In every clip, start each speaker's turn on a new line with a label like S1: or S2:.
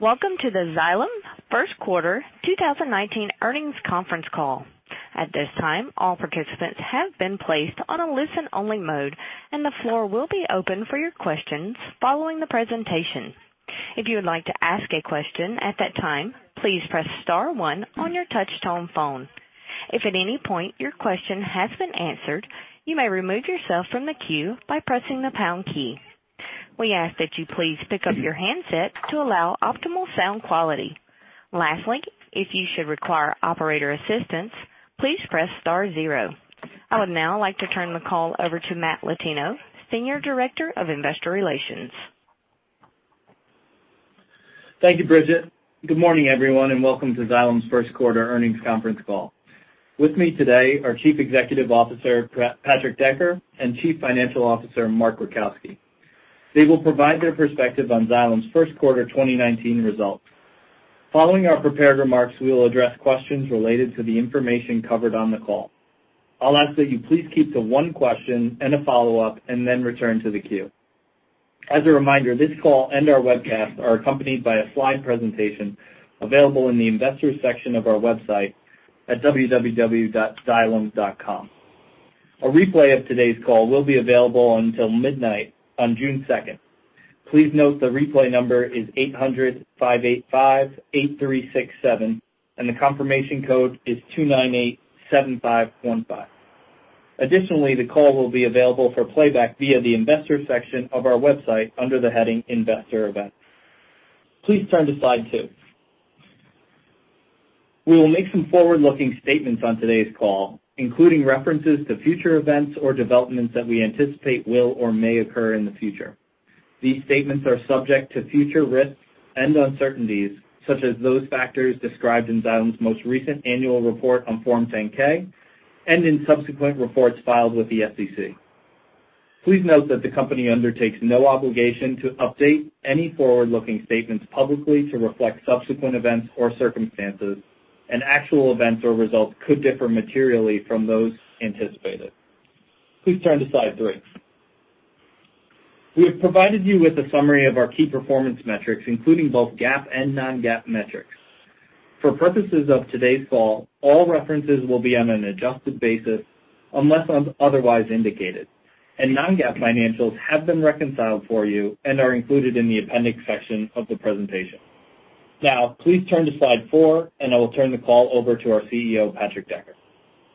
S1: Welcome to the Xylem first quarter 2019 earnings conference call. At this time, all participants have been placed on a listen-only mode, and the floor will be open for your questions following the presentation. If you would like to ask a question at that time, please press star one on your touch-tone phone. If at any point your question has been answered, you may remove yourself from the queue by pressing the pound key. We ask that you please pick up your handset to allow optimal sound quality. Lastly, if you should require operator assistance, please press star zero. I would now like to turn the call over to Matthew Latino, Senior Director of Investor Relations.
S2: Thank you, Bridget. Good morning, everyone, and welcome to Xylem's first quarter earnings conference call. With me today are Chief Executive Officer, Patrick Decker, and Chief Financial Officer, Mark Rajkowski. They will provide their perspective on Xylem's first quarter 2019 results. Following our prepared remarks, we will address questions related to the information covered on the call. I'll ask that you please keep to one question and a follow-up, and then return to the queue. As a reminder, this call and our webcast are accompanied by a slide presentation available in the Investors section of our website at www.xylem.com. A replay of today's call will be available until midnight on June second. Please note the replay number is 800-585-8367, and the confirmation code is 2987515. Additionally, the call will be available for playback via the Investors section of our website under the heading Investor Events. Please turn to slide two. We will make some forward-looking statements on today's call, including references to future events or developments that we anticipate will or may occur in the future. These statements are subject to future risks and uncertainties, such as those factors described in Xylem's most recent annual report on Form 10-K and in subsequent reports filed with the SEC. Please note that the company undertakes no obligation to update any forward-looking statements publicly to reflect subsequent events or circumstances, and actual events or results could differ materially from those anticipated. Please turn to slide three. We have provided you with a summary of our key performance metrics, including both GAAP and non-GAAP metrics. For purposes of today's call, all references will be on an adjusted basis unless otherwise indicated, and non-GAAP financials have been reconciled for you and are included in the appendix section of the presentation. Now, please turn to slide four, and I will turn the call over to our CEO, Patrick Decker.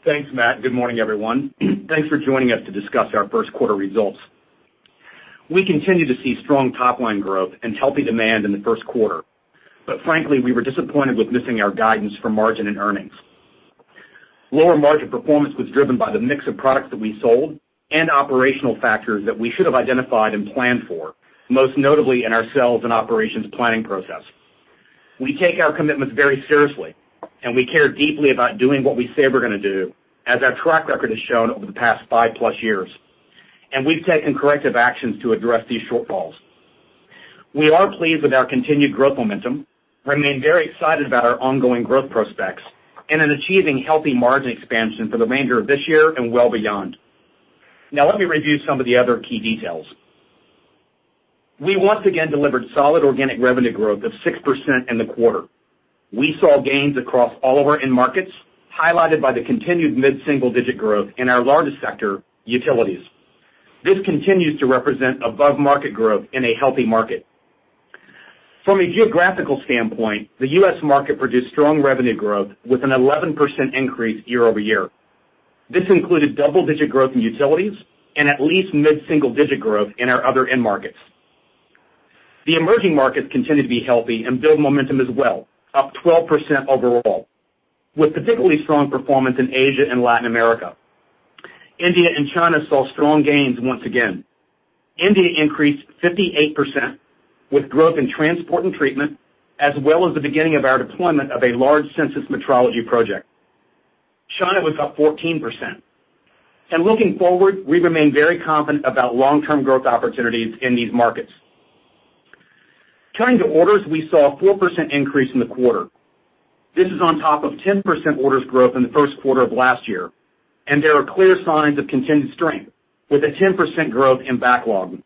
S3: Thanks, Matt. Good morning, everyone. Thanks for joining us to discuss our first quarter results. Frankly, we continue to see strong top-line growth and healthy demand in the first quarter. We were disappointed with missing our guidance for margin and earnings. Lower margin performance was driven by the mix of products that we sold and operational factors that we should have identified and planned for, most notably in our sales and operations planning process. We take our commitments very seriously, and we care deeply about doing what we say we're gonna do, as our track record has shown over the past five-plus years, and we've taken corrective actions to address these shortfalls. We are pleased with our continued growth momentum, remain very excited about our ongoing growth prospects, and in achieving healthy margin expansion for the remainder of this year and well beyond. Let me review some of the other key details. We once again delivered solid organic revenue growth of 6% in the quarter. We saw gains across all of our end markets, highlighted by the continued mid-single-digit growth in our largest sector, utilities. This continues to represent above-market growth in a healthy market. From a geographical standpoint, the U.S. market produced strong revenue growth with an 11% increase year-over-year. This included double-digit growth in utilities and at least mid-single-digit growth in our other end markets. The emerging markets continue to be healthy and build momentum as well, up 12% overall, with particularly strong performance in Asia and Latin America. India and China saw strong gains once again. India increased 58%, with growth in transport and treatment, as well as the beginning of our deployment of a large Sensus metrology project. China was up 14%. Looking forward, we remain very confident about long-term growth opportunities in these markets. Turning to orders, we saw a 4% increase in the quarter. This is on top of 10% orders growth in the first quarter of last year, and there are clear signs of continued strength with a 10% growth in backlog.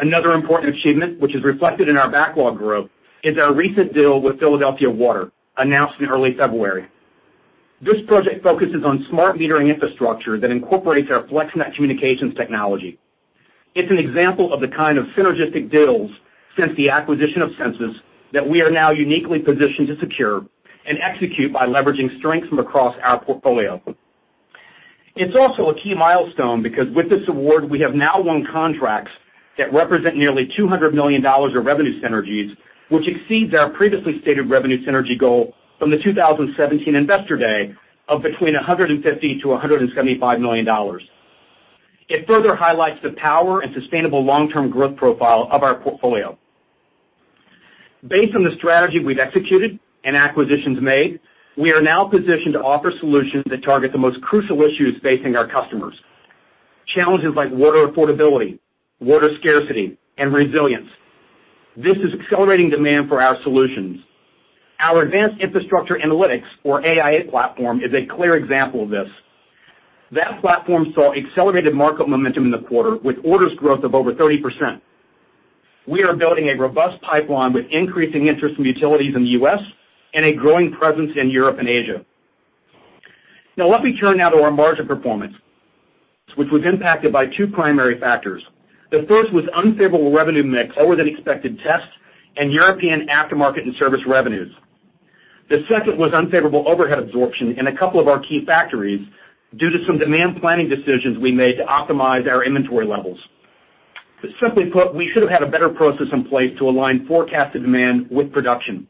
S3: Another important achievement, which is reflected in our backlog growth, is our recent deal with Philadelphia Water, announced in early February. This project focuses on smart metering infrastructure that incorporates our FlexNet communications technology. It's an example of the kind of synergistic deals since the acquisition of Sensus that we are now uniquely positioned to secure and execute by leveraging strengths from across our portfolio. It's also a key milestone because with this award, we have now won contracts that represent nearly $200 million of revenue synergies, which exceeds our previously stated revenue synergy goal from the 2017 Investor Day of between $150 million-$175 million. It further highlights the power and sustainable long-term growth profile of our portfolio. Based on the strategy we've executed and acquisitions made, we are now positioned to offer solutions that target the most crucial issues facing our customers. Challenges like water affordability, water scarcity, and resilience. This is accelerating demand for our solutions. Our Advanced Infrastructure Analytics, or AIA platform, is a clear example of this. That platform saw accelerated market momentum in the quarter, with orders growth of over 30%. We are building a robust pipeline with increasing interest from utilities in the U.S. and a growing presence in Europe and Asia. Let me turn now to our margin performance, which was impacted by two primary factors. The first was unfavorable revenue mix, lower than expected tests, and European aftermarket and service revenues. The second was unfavorable overhead absorption in a couple of our key factories due to some demand planning decisions we made to optimize our inventory levels. Simply put, we should have had a better process in place to align forecasted demand with production.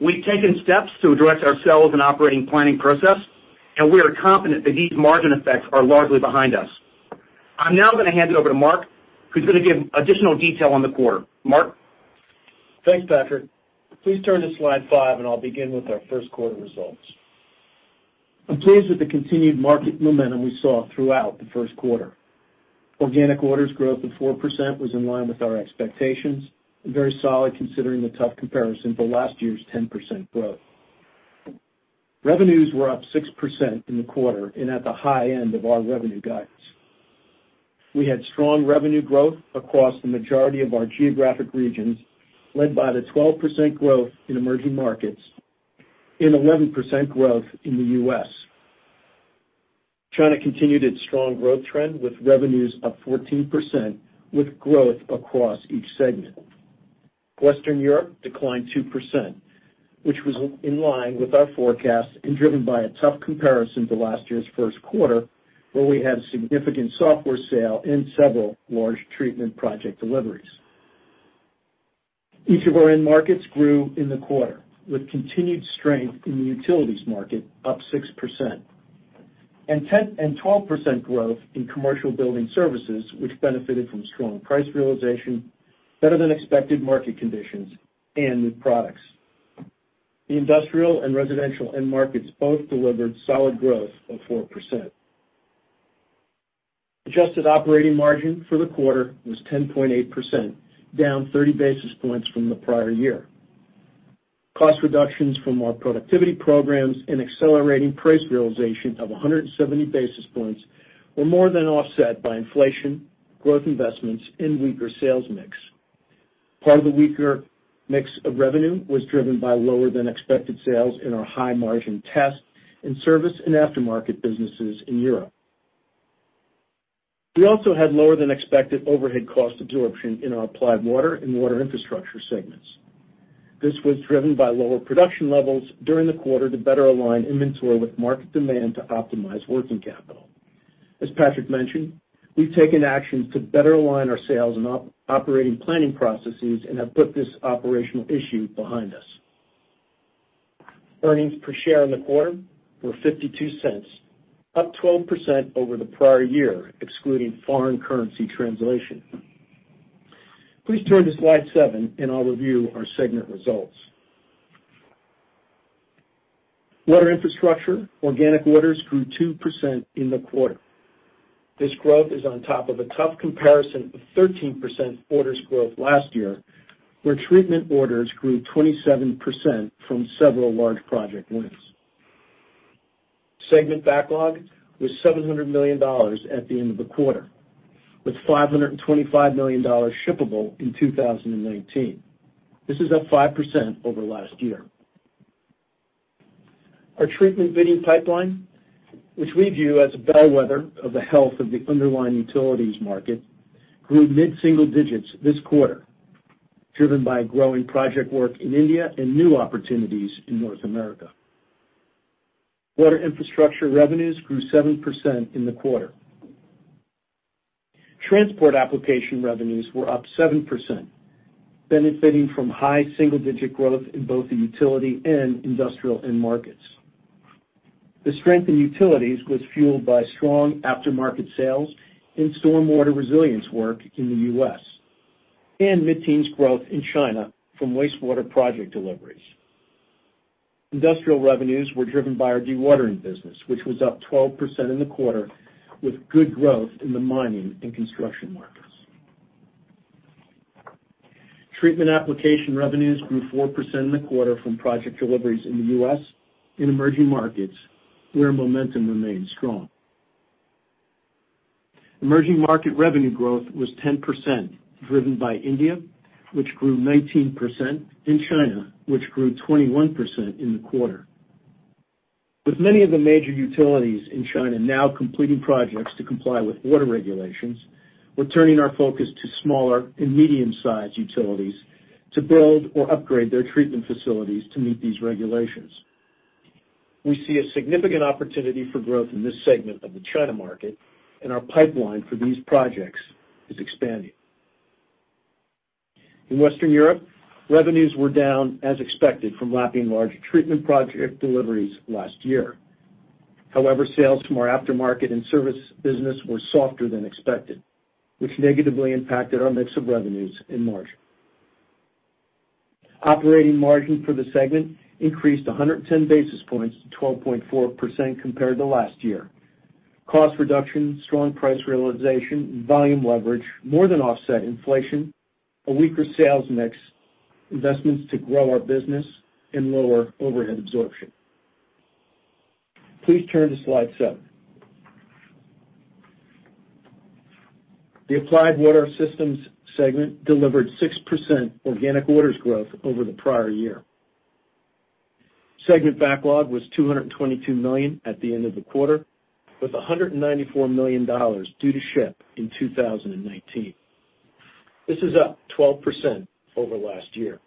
S3: We've taken steps to address our sales and operating planning process, and we are confident that these margin effects are largely behind us. I'm now going to hand it over to Mark, who's going to give additional detail on the quarter. Mark?
S4: Thanks, Patrick. Please turn to slide five. I'll begin with our first quarter results. I'm pleased with the continued market momentum we saw throughout the first quarter. Organic orders growth of 4% was in line with our expectations. Very solid, considering the tough comparison to last year's 10% growth. Revenues were up 6% in the quarter and at the high end of our revenue guidance. We had strong revenue growth across the majority of our geographic regions, led by the 12% growth in emerging markets and 11% growth in the U.S. China continued its strong growth trend, with revenues up 14%, with growth across each segment. Western Europe declined 2%, which was in line with our forecast and driven by a tough comparison to last year's first quarter, where we had a significant software sale and several large treatment project deliveries. Each of our end markets grew in the quarter, with continued strength in the utilities market up 6% and 10% and 12% growth in commercial building services, which benefited from strong price realization, better than expected market conditions, and new products. The industrial and residential end markets both delivered solid growth of 4%. Adjusted operating margin for the quarter was 10.8%, down 30 basis points from the prior year. Cost reductions from our productivity programs and accelerating price realization of 170 basis points were more than offset by inflation, growth investments, and weaker sales mix. Part of the weaker mix of revenue was driven by lower than expected sales in our high-margin test and service and aftermarket businesses in Europe. We also had lower than expected overhead cost absorption in our Applied Water Systems and Water Infrastructure segments. This was driven by lower production levels during the quarter to better align inventory with market demand to optimize working capital. As Patrick mentioned, we've taken actions to better align our sales and operating planning processes and have put this operational issue behind us. Earnings per share in the quarter were $0.52, up 12% over the prior year, excluding foreign currency translation. Please turn to slide seven. I'll review our segment results. Water Infrastructure. Organic orders grew 2% in the quarter. This growth is on top of a tough comparison of 13% orders growth last year, where treatment orders grew 27% from several large project wins. Segment backlog was $700 million at the end of the quarter, with $525 million shippable in 2019. This is up 5% over last year. Our treatment bidding pipeline, which we view as a bellwether of the health of the underlying utilities market, grew mid-single digits this quarter, driven by growing project work in India and new opportunities in North America. Water Infrastructure revenues grew 7% in the quarter. Transport application revenues were up 7%, benefiting from high single-digit growth in both the utility and industrial end markets. The strength in utilities was fueled by strong aftermarket sales and stormwater resilience work in the U.S. and mid-teens growth in China from wastewater project deliveries. Industrial revenues were driven by our dewatering business, which was up 12% in the quarter with good growth in the mining and construction markets. Treatment application revenues grew 4% in the quarter from project deliveries in the U.S. and emerging markets, where momentum remained strong. Emerging market revenue growth was 10%, driven by India, which grew 19%, and China, which grew 21% in the quarter. With many of the major utilities in China now completing projects to comply with water regulations, we're turning our focus to smaller and medium-sized utilities to build or upgrade their treatment facilities to meet these regulations. We see a significant opportunity for growth in this segment of the China market. Our pipeline for these projects is expanding. In Western Europe, revenues were down as expected from lapping large treatment project deliveries last year. Sales to our aftermarket and service business were softer than expected, which negatively impacted our mix of revenues and margin. Operating margin for the segment increased 110 basis points to 12.4% compared to last year. Cost reduction, strong price realization, and volume leverage more than offset inflation, a weaker sales mix, investments to grow our business and lower overhead absorption. Please turn to slide seven. The Applied Water Systems segment delivered 6% organic orders growth over the prior year. Segment backlog was $222 million at the end of the quarter, with $194 million due to ship in 2019. This is up 12% over last year.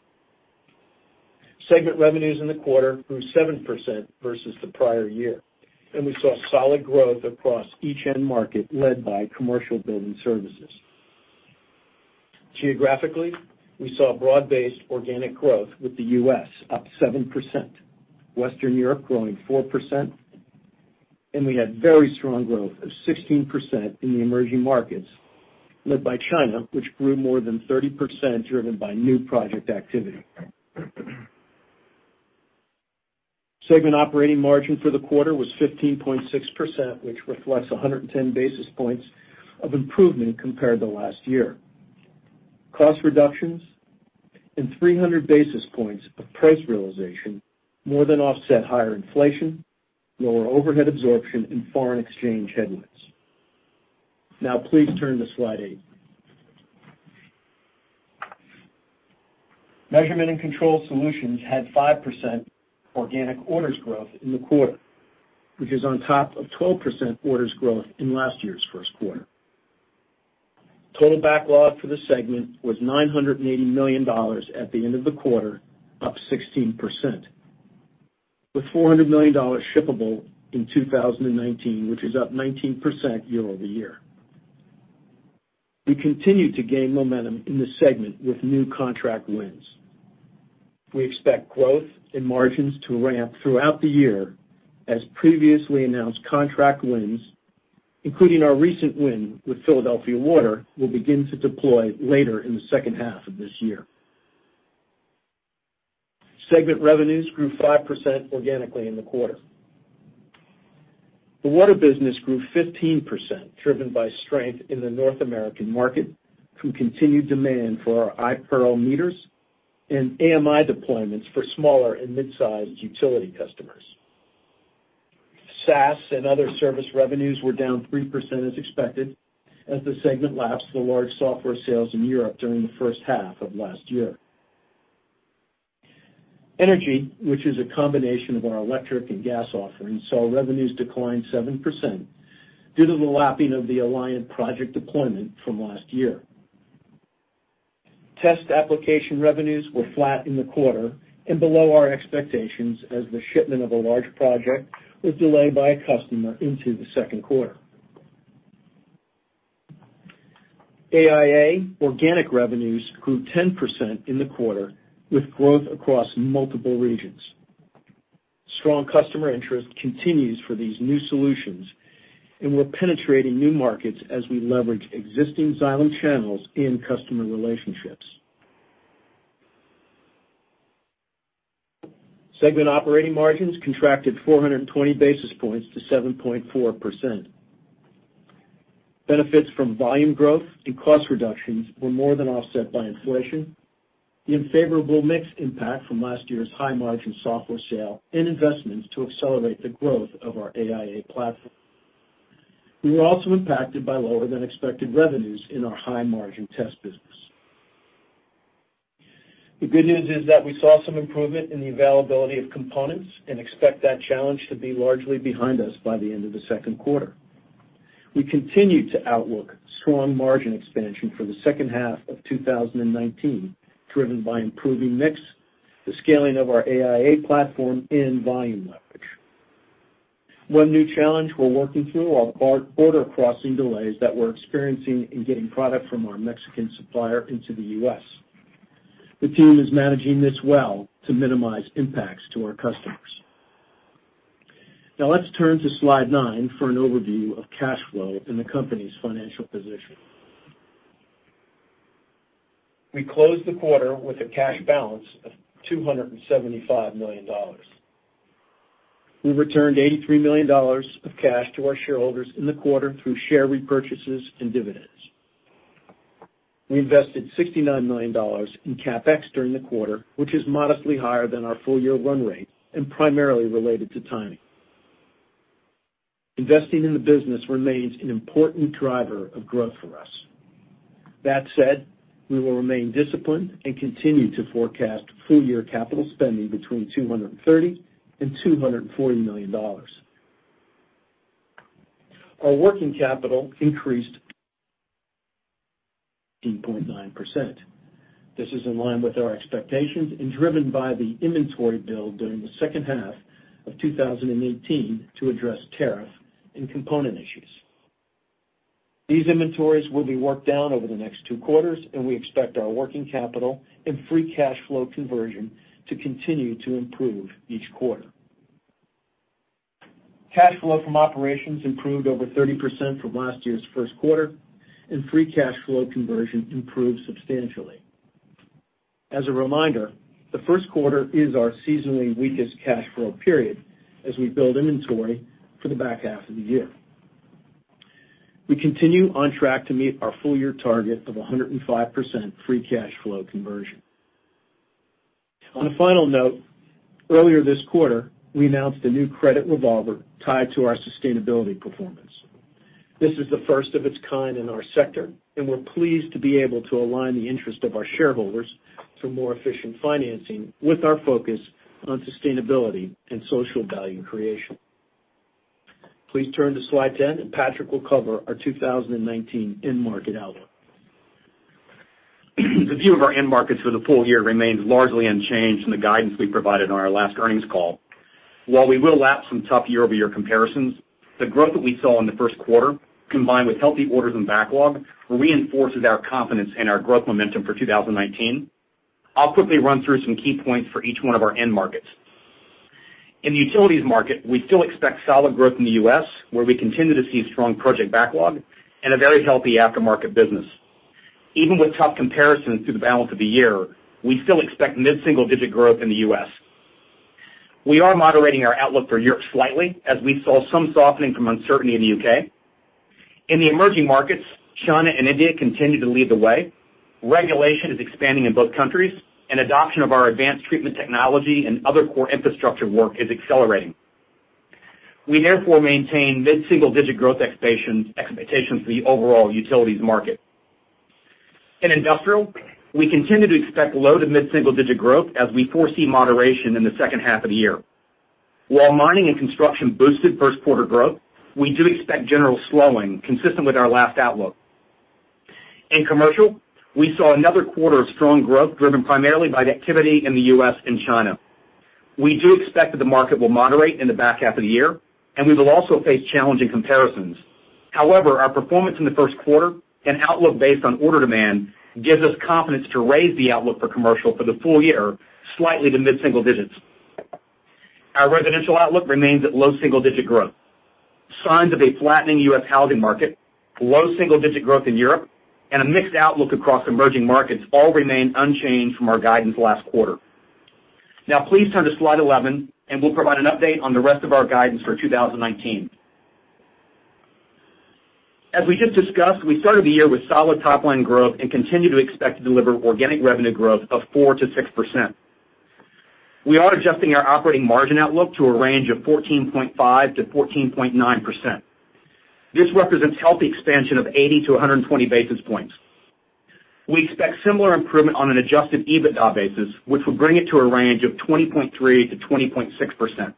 S4: Segment revenues in the quarter grew 7% versus the prior year. We saw solid growth across each end market, led by commercial building services. Geographically, we saw broad-based organic growth, with the U.S. up 7%, Western Europe growing 4%. We had very strong growth of 16% in the emerging markets, led by China, which grew more than 30%, driven by new project activity. Segment operating margin for the quarter was 15.6%, which reflects 110 basis points of improvement compared to last year. Cost reductions and 300 basis points of price realization more than offset higher inflation, lower overhead absorption, foreign exchange headwinds. Please turn to slide eight. Measurement and Control Solutions had 5% organic orders growth in the quarter, which is on top of 12% orders growth in last year's first quarter. Total backlog for the segment was $980 million at the end of the quarter, up 16%, with $400 million shippable in 2019, which is up 19% year-over-year. We continue to gain momentum in the segment with new contract wins. We expect growth and margins to ramp throughout the year as previously announced contract wins, including our recent win with Philadelphia Water, will begin to deploy later in the second half of this year. Segment revenues grew 5% organically in the quarter. The water business grew 15%, driven by strength in the North American market through continued demand for our iPERL meters and AMI deployments for smaller and mid-sized utility customers. SaaS and other service revenues were down 3% as expected, as the segment lapsed the large software sales in Europe during the first half of last year. Energy, which is a combination of our electric and gas offerings, saw revenues decline 7% due to the lapping of the Alliant project deployment from last year. Test application revenues were flat in the quarter and below our expectations as the shipment of a large project was delayed by a customer into the second quarter. AIA organic revenues grew 10% in the quarter, with growth across multiple regions. Strong customer interest continues for these new solutions, we're penetrating new markets as we leverage existing Xylem channels and customer relationships. Segment operating margins contracted 420 basis points to 7.4%. Benefits from volume growth and cost reductions were more than offset by inflation, the unfavorable mix impact from last year's high-margin software sale, and investments to accelerate the growth of our AIA platform. We were also impacted by lower-than-expected revenues in our high-margin test business. The good news is that we saw some improvement in the availability of components and expect that challenge to be largely behind us by the end of the second quarter. We continue to outlook strong margin expansion for the second half of 2019, driven by improving mix, the scaling of our AIA platform, and volume leverage. One new challenge we're working through are border crossing delays that we're experiencing in getting product from our Mexican supplier into the U.S. The team is managing this well to minimize impacts to our customers. Now let's turn to slide nine for an overview of cash flow and the company's financial position. We closed the quarter with a cash balance of $275 million. We returned $83 million of cash to our shareholders in the quarter through share repurchases and dividends. We invested $69 million in CapEx during the quarter, which is modestly higher than our full-year run rate and primarily related to timing. Investing in the business remains an important driver of growth for us. That said, we will remain disciplined and continue to forecast full-year capital spending between $230 million and $240 million. Our working capital increased 18.9%. This is in line with our expectations and driven by the inventory build during the second half of 2018 to address tariff and component issues. These inventories will be worked down over the next two quarters, we expect our working capital and free cash flow conversion to continue to improve each quarter. Cash flow from operations improved over 30% from last year's first quarter, free cash flow conversion improved substantially. As a reminder, the first quarter is our seasonally weakest cash flow period as we build inventory for the back half of the year. We continue on track to meet our full-year target of 105% free cash flow conversion. On a final note, earlier this quarter, we announced a new credit revolver tied to our sustainability performance. This is the first of its kind in our sector, and we're pleased to be able to align the interest of our shareholders through more efficient financing with our focus on sustainability and social value creation. Please turn to slide 10, and Patrick will cover our 2019 end market outlook.
S3: The view of our end markets for the full year remains largely unchanged from the guidance we provided on our last earnings call. While we will lap some tough year-over-year comparisons, the growth that we saw in the first quarter, combined with healthy orders and backlog, reinforces our confidence in our growth momentum for 2019. I'll quickly run through some key points for each one of our end markets. In the utilities market, we still expect solid growth in the U.S., where we continue to see strong project backlog and a very healthy aftermarket business. Even with tough comparisons through the balance of the year, we still expect mid-single-digit growth in the U.S. We are moderating our outlook for Europe slightly as we saw some softening from uncertainty in the U.K. In the emerging markets, China and India continue to lead the way. Regulation is expanding in both countries, adoption of our advanced treatment technology and other core infrastructure work is accelerating. We therefore maintain mid-single-digit growth expectations for the overall utilities market. In industrial, we continue to expect low to mid-single-digit growth as we foresee moderation in the second half of the year. While mining and construction boosted first quarter growth, we do expect general slowing consistent with our last outlook. In commercial, we saw another quarter of strong growth driven primarily by the activity in the U.S. and China. We do expect that the market will moderate in the back half of the year, we will also face challenging comparisons. However, our performance in the first quarter and outlook based on order demand gives us confidence to raise the outlook for commercial for the full year slightly to mid-single digits. Our residential outlook remains at low double-digit growth. Signs of a flattening U.S. housing market, low single-digit growth in Europe, a mixed outlook across emerging markets all remain unchanged from our guidance last quarter. Please turn to slide 11, we'll provide an update on the rest of our guidance for 2019. As we just discussed, we started the year with solid top-line growth and continue to expect to deliver organic revenue growth of 4%-6%. We are adjusting our operating margin outlook to a range of 14.5%-14.9%. This represents healthy expansion of 80 to 120 basis points. We expect similar improvement on an adjusted EBITDA basis, which will bring it to a range of 20.3%-20.6%.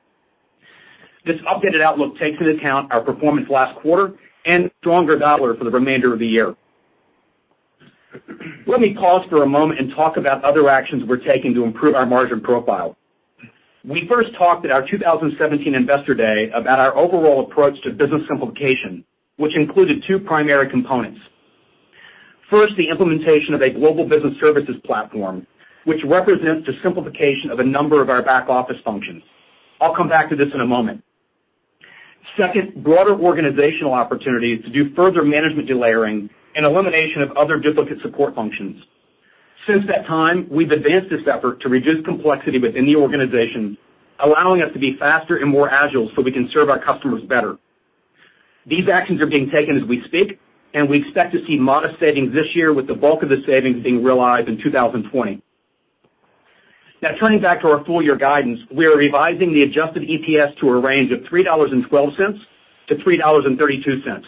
S3: This updated outlook takes into account our performance last quarter and stronger dollar for the remainder of the year. Let me pause for a moment and talk about other actions we're taking to improve our margin profile. We first talked at our 2017 Investor Day about our overall approach to business simplification, which included two primary components. First, the implementation of a Global Business Services platform, which represents the simplification of a number of our back-office functions. I'll come back to this in a moment. Second, broader organizational opportunities to do further management delayering and elimination of other duplicate support functions. Since that time, we've advanced this effort to reduce complexity within the organization, allowing us to be faster and more agile so we can serve our customers better. These actions are being taken as we speak, and we expect to see modest savings this year with the bulk of the savings being realized in 2020. Turning back to our full-year guidance. We are revising the adjusted EPS to a range of $3.12-$3.32,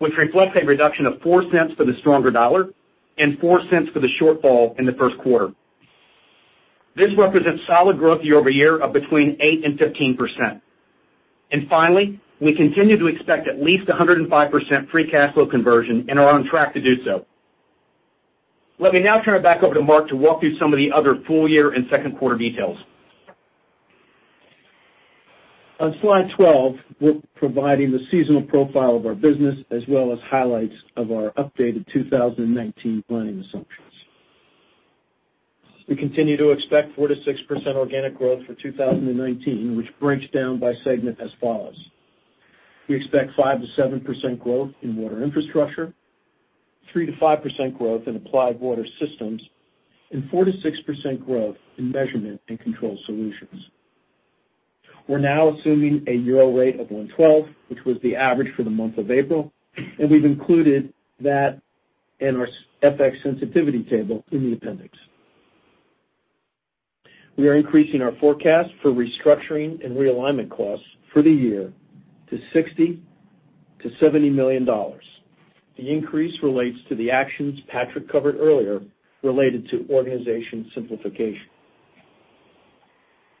S3: which reflects a reduction of $0.04 for the stronger dollar and $0.04 for the shortfall in the first quarter. This represents solid growth year-over-year of between 8% and 15%. Finally, we continue to expect at least 105% free cash flow conversion and are on track to do so. Let me now turn it back over to Mark to walk through some of the other full-year and second quarter details.
S4: On slide 12, we're providing the seasonal profile of our business as well as highlights of our updated 2019 planning assumptions. We continue to expect 4%-6% organic growth for 2019, which breaks down by segment as follows. We expect 5%-7% growth in Water Infrastructure, 3%-5% growth in Applied Water Systems, and 4%-6% growth in Measurement and Control Solutions. We're now assuming a EUR rate of 112, which was the average for the month of April, and we've included that in our FX sensitivity table in the appendix. We are increasing our forecast for restructuring and realignment costs for the year to $60 million-$70 million. The increase relates to the actions Patrick covered earlier related to organization simplification.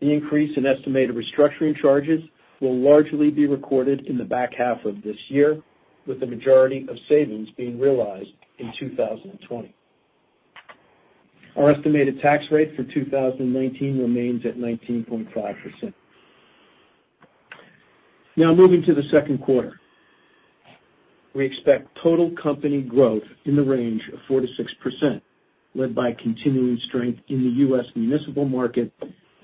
S4: The increase in estimated restructuring charges will largely be recorded in the back half of this year, with the majority of savings being realized in 2020. Our estimated tax rate for 2019 remains at 19.5%. Moving to the second quarter. We expect total company growth in the range of 4%-6%, led by continuing strength in the U.S. municipal market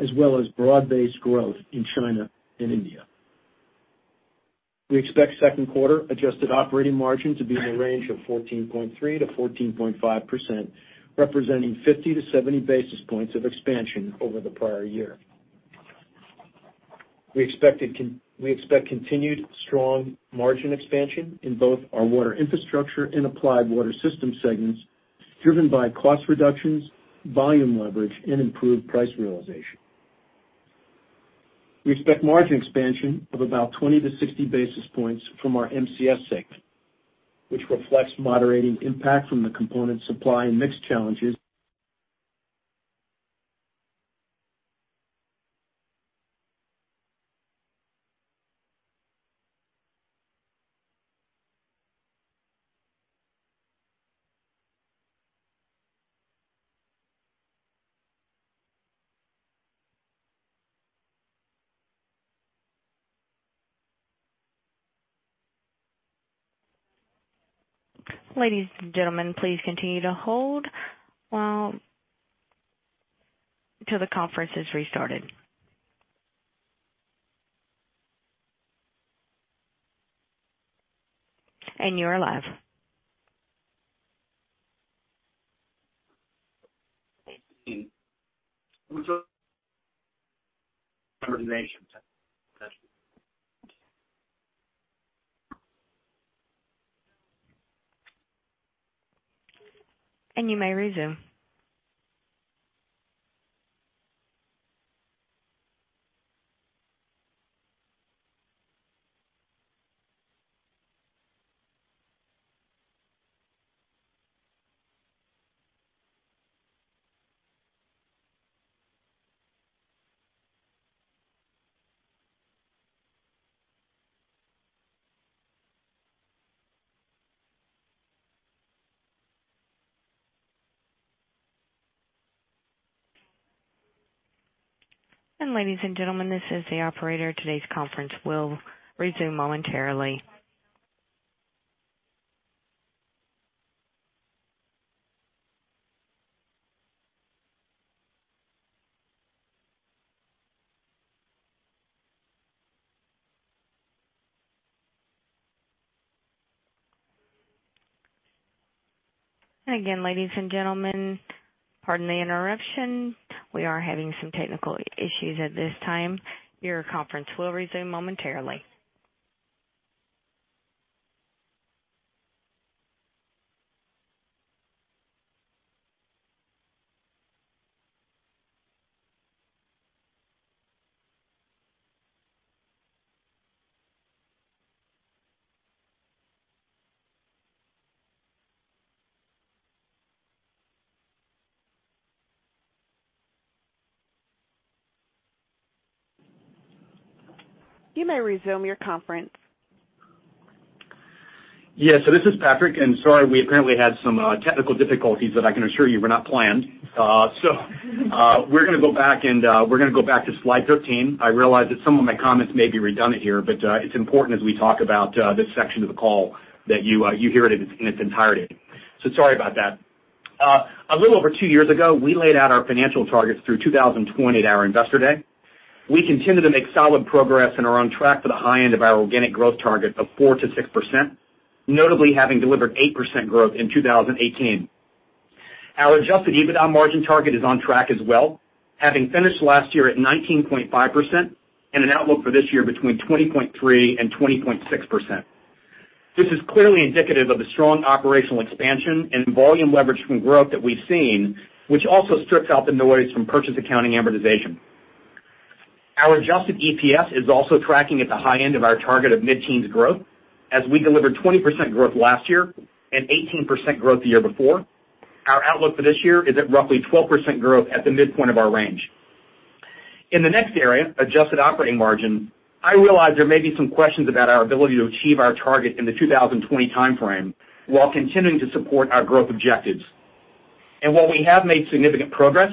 S4: as well as broad-based growth in China and India. We expect second quarter adjusted operating margin to be in the range of 14.3%-14.5%, representing 50 to 70 basis points of expansion over the prior year.
S3: We expect continued strong margin expansion in both our Water Infrastructure and Applied Water Systems segments, driven by cost reductions, volume leverage, and improved price realization. We expect margin expansion of about 20 to 60 basis points from our MCS segment, which reflects moderating impact from the component supply and mix challenges.
S1: Ladies and gentlemen, please continue to hold until the conference is restarted. You are live. You may resume. Ladies and gentlemen, this is the operator. Today's conference will resume momentarily. Again, ladies and gentlemen, pardon the interruption. We are having some technical issues at this time. Your conference will resume momentarily. You may resume your conference.
S3: Yeah. This is Patrick, sorry, we apparently had some technical difficulties that I can assure you were not planned. We're going to go back to slide 13. I realize that some of my comments may be redundant here, it's important as we talk about this section of the call that you hear it in its entirety. Sorry about that. A little over 2 years ago, we laid out our financial targets through 2020 at our investor day. We continue to make solid progress and are on track for the high end of our organic growth target of 4%-6%, notably having delivered 8% growth in 2018. Our adjusted EBITDA margin target is on track as well, having finished last year at 19.5% and an outlook for this year between 20.3% and 20.6%. This is clearly indicative of the strong operational expansion and volume leverage from growth that we've seen, which also strips out the noise from purchase accounting amortization. Our adjusted EPS is also tracking at the high end of our target of mid-teens growth, as we delivered 20% growth last year and 18% growth the year before. Our outlook for this year is at roughly 12% growth at the midpoint of our range. In the next area, adjusted operating margin, I realize there may be some questions about our ability to achieve our target in the 2020 timeframe while continuing to support our growth objectives. While we have made significant progress,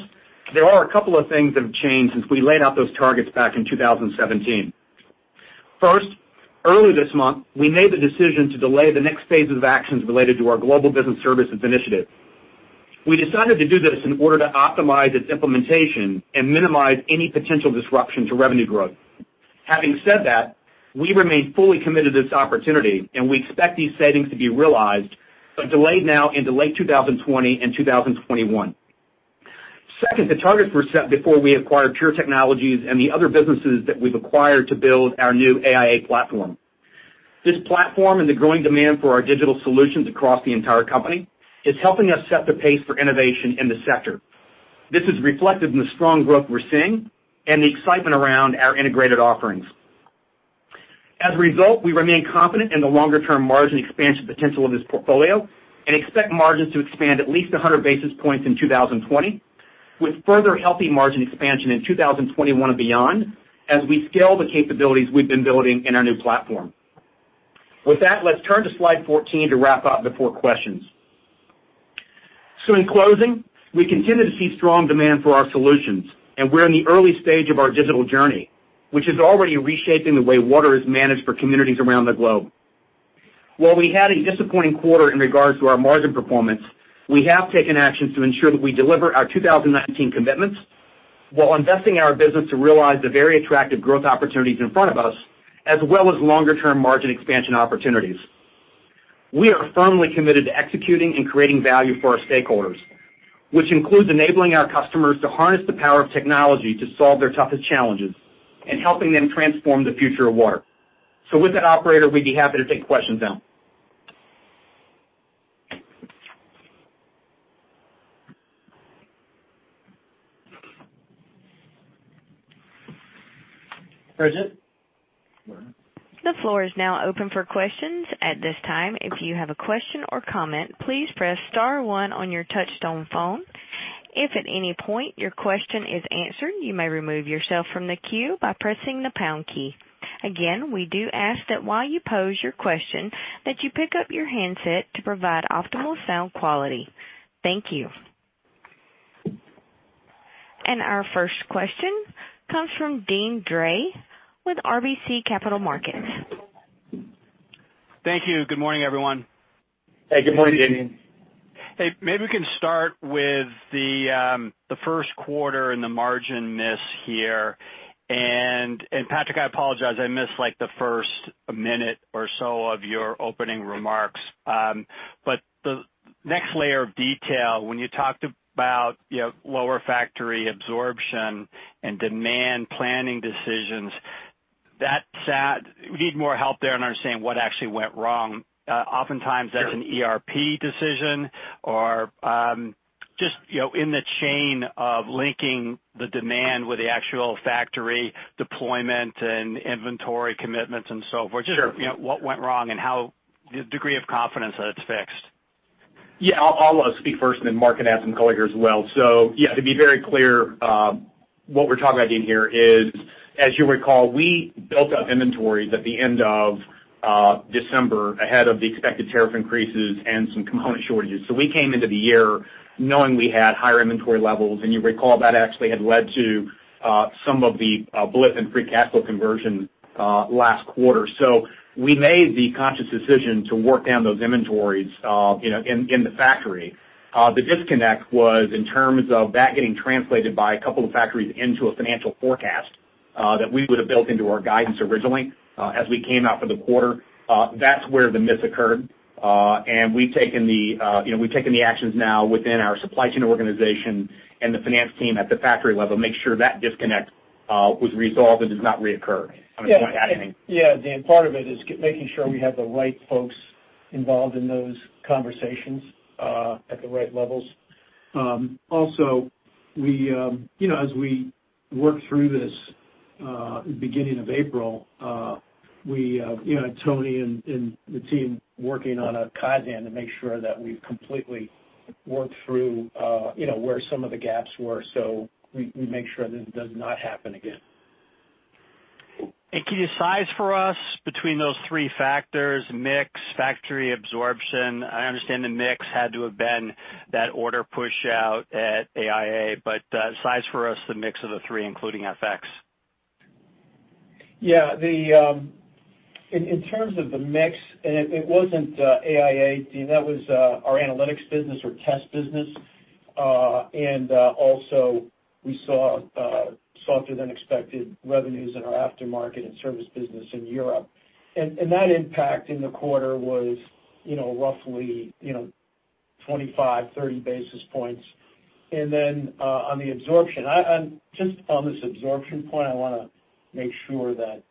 S3: there are a couple of things that have changed since we laid out those targets back in 2017. First, early this month, we made the decision to delay the next phases of actions related to our Global Business Services initiative. We decided to do this in order to optimize its implementation and minimize any potential disruption to revenue growth. Having said that, we remain fully committed to this opportunity, and we expect these savings to be realized, but delayed now into late 2020 and 2021. Second, the targets were set before we acquired Pure Technologies and the other businesses that we've acquired to build our new AIA platform. This platform and the growing demand for our digital solutions across the entire company is helping us set the pace for innovation in the sector. This is reflected in the strong growth we're seeing and the excitement around our integrated offerings. As a result, we remain confident in the longer-term margin expansion potential of this portfolio and expect margins to expand at least 100 basis points in 2020, with further healthy margin expansion in 2021 and beyond as we scale the capabilities we've been building in our new platform. With that, let's turn to slide 14 to wrap up the four questions. In closing, we continue to see strong demand for our solutions, and we're in the early stage of our digital journey, which is already reshaping the way water is managed for communities around the globe. While we had a disappointing quarter in regards to our margin performance, we have taken actions to ensure that we deliver our 2019 commitments while investing in our business to realize the very attractive growth opportunities in front of us, as well as longer-term margin expansion opportunities. We are firmly committed to executing and creating value for our stakeholders, which includes enabling our customers to harness the power of technology to solve their toughest challenges and helping them transform the future of water. With that, operator, we'd be happy to take questions now.
S4: Bridget?
S1: The floor is now open for questions. At this time, if you have a question or comment, please press star one on your touchtone phone. If at any point your question is answered, you may remove yourself from the queue by pressing the pound key. Again, we do ask that while you pose your question, that you pick up your handset to provide optimal sound quality. Thank you. Our first question comes from Deane Dray with RBC Capital Markets.
S5: Thank you. Good morning, everyone.
S3: Hey, good morning, Deane.
S5: Hey, maybe we can start with the first quarter and the margin miss here. Patrick, I apologize, I missed the first minute or so of your opening remarks. The next layer of detail, when you talked about lower factory absorption and demand planning decisions, we need more help there in understanding what actually went wrong. Oftentimes-
S3: Sure
S5: that's an ERP decision or just in the chain of linking the demand with the actual factory deployment and inventory commitments and so forth.
S3: Sure.
S5: What went wrong and the degree of confidence that it's fixed.
S3: Yeah. I'll speak first and then Mark can add some color here as well. Yeah, to be very clear, what we're talking about, Deane, here is, as you recall, we built up inventories at the end of December ahead of the expected tariff increases and some component shortages. We came into the year knowing we had higher inventory levels, and you recall that actually had led to some of the blip in free cash flow conversion last quarter. We made the conscious decision to work down those inventories in the factory. The disconnect was in terms of that getting translated by a couple of factories into a financial forecast that we would've built into our guidance originally as we came out for the quarter. That's where the miss occurred. We've taken the actions now within our supply chain organization and the finance team at the factory level to make sure that disconnect was resolved and does not reoccur. I don't know if you want to add anything.
S4: Yeah, Deane. Part of it is making sure we have the right folks involved in those conversations at the right levels. Also, as we work through this beginning of April, Tony and the team working on a kaizen to make sure that we've completely worked through where some of the gaps were we make sure that it does not happen again.
S5: Can you size for us between those three factors, mix, factory absorption? I understand the mix had to have been that order push out at AIA, but size for us the mix of the three, including FX.
S4: In terms of the mix, it wasn't AIA, Deane, that was our analytics business, or test business. We saw softer than expected revenues in our aftermarket and service business in Europe. That impact in the quarter was roughly 25, 30 basis points. On the absorption, just on this absorption point, I want to make sure that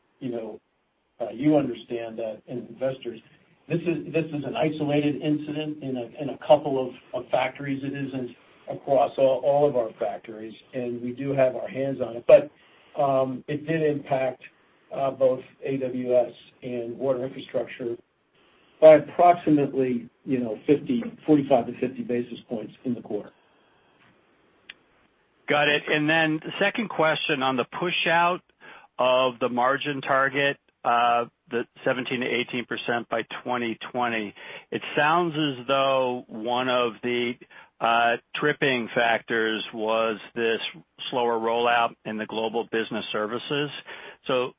S4: you understand that, and investors, this is an isolated incident in a couple of factories. It isn't across all of our factories, and we do have our hands on it. It did impact both AWS and Water Infrastructure by approximately 45 to 50 basis points in the quarter.
S5: Got it. Second question on the push out of the margin target, the 17%-18% by 2020. It sounds as though one of the tripping factors was this slower rollout in the Global Business Services.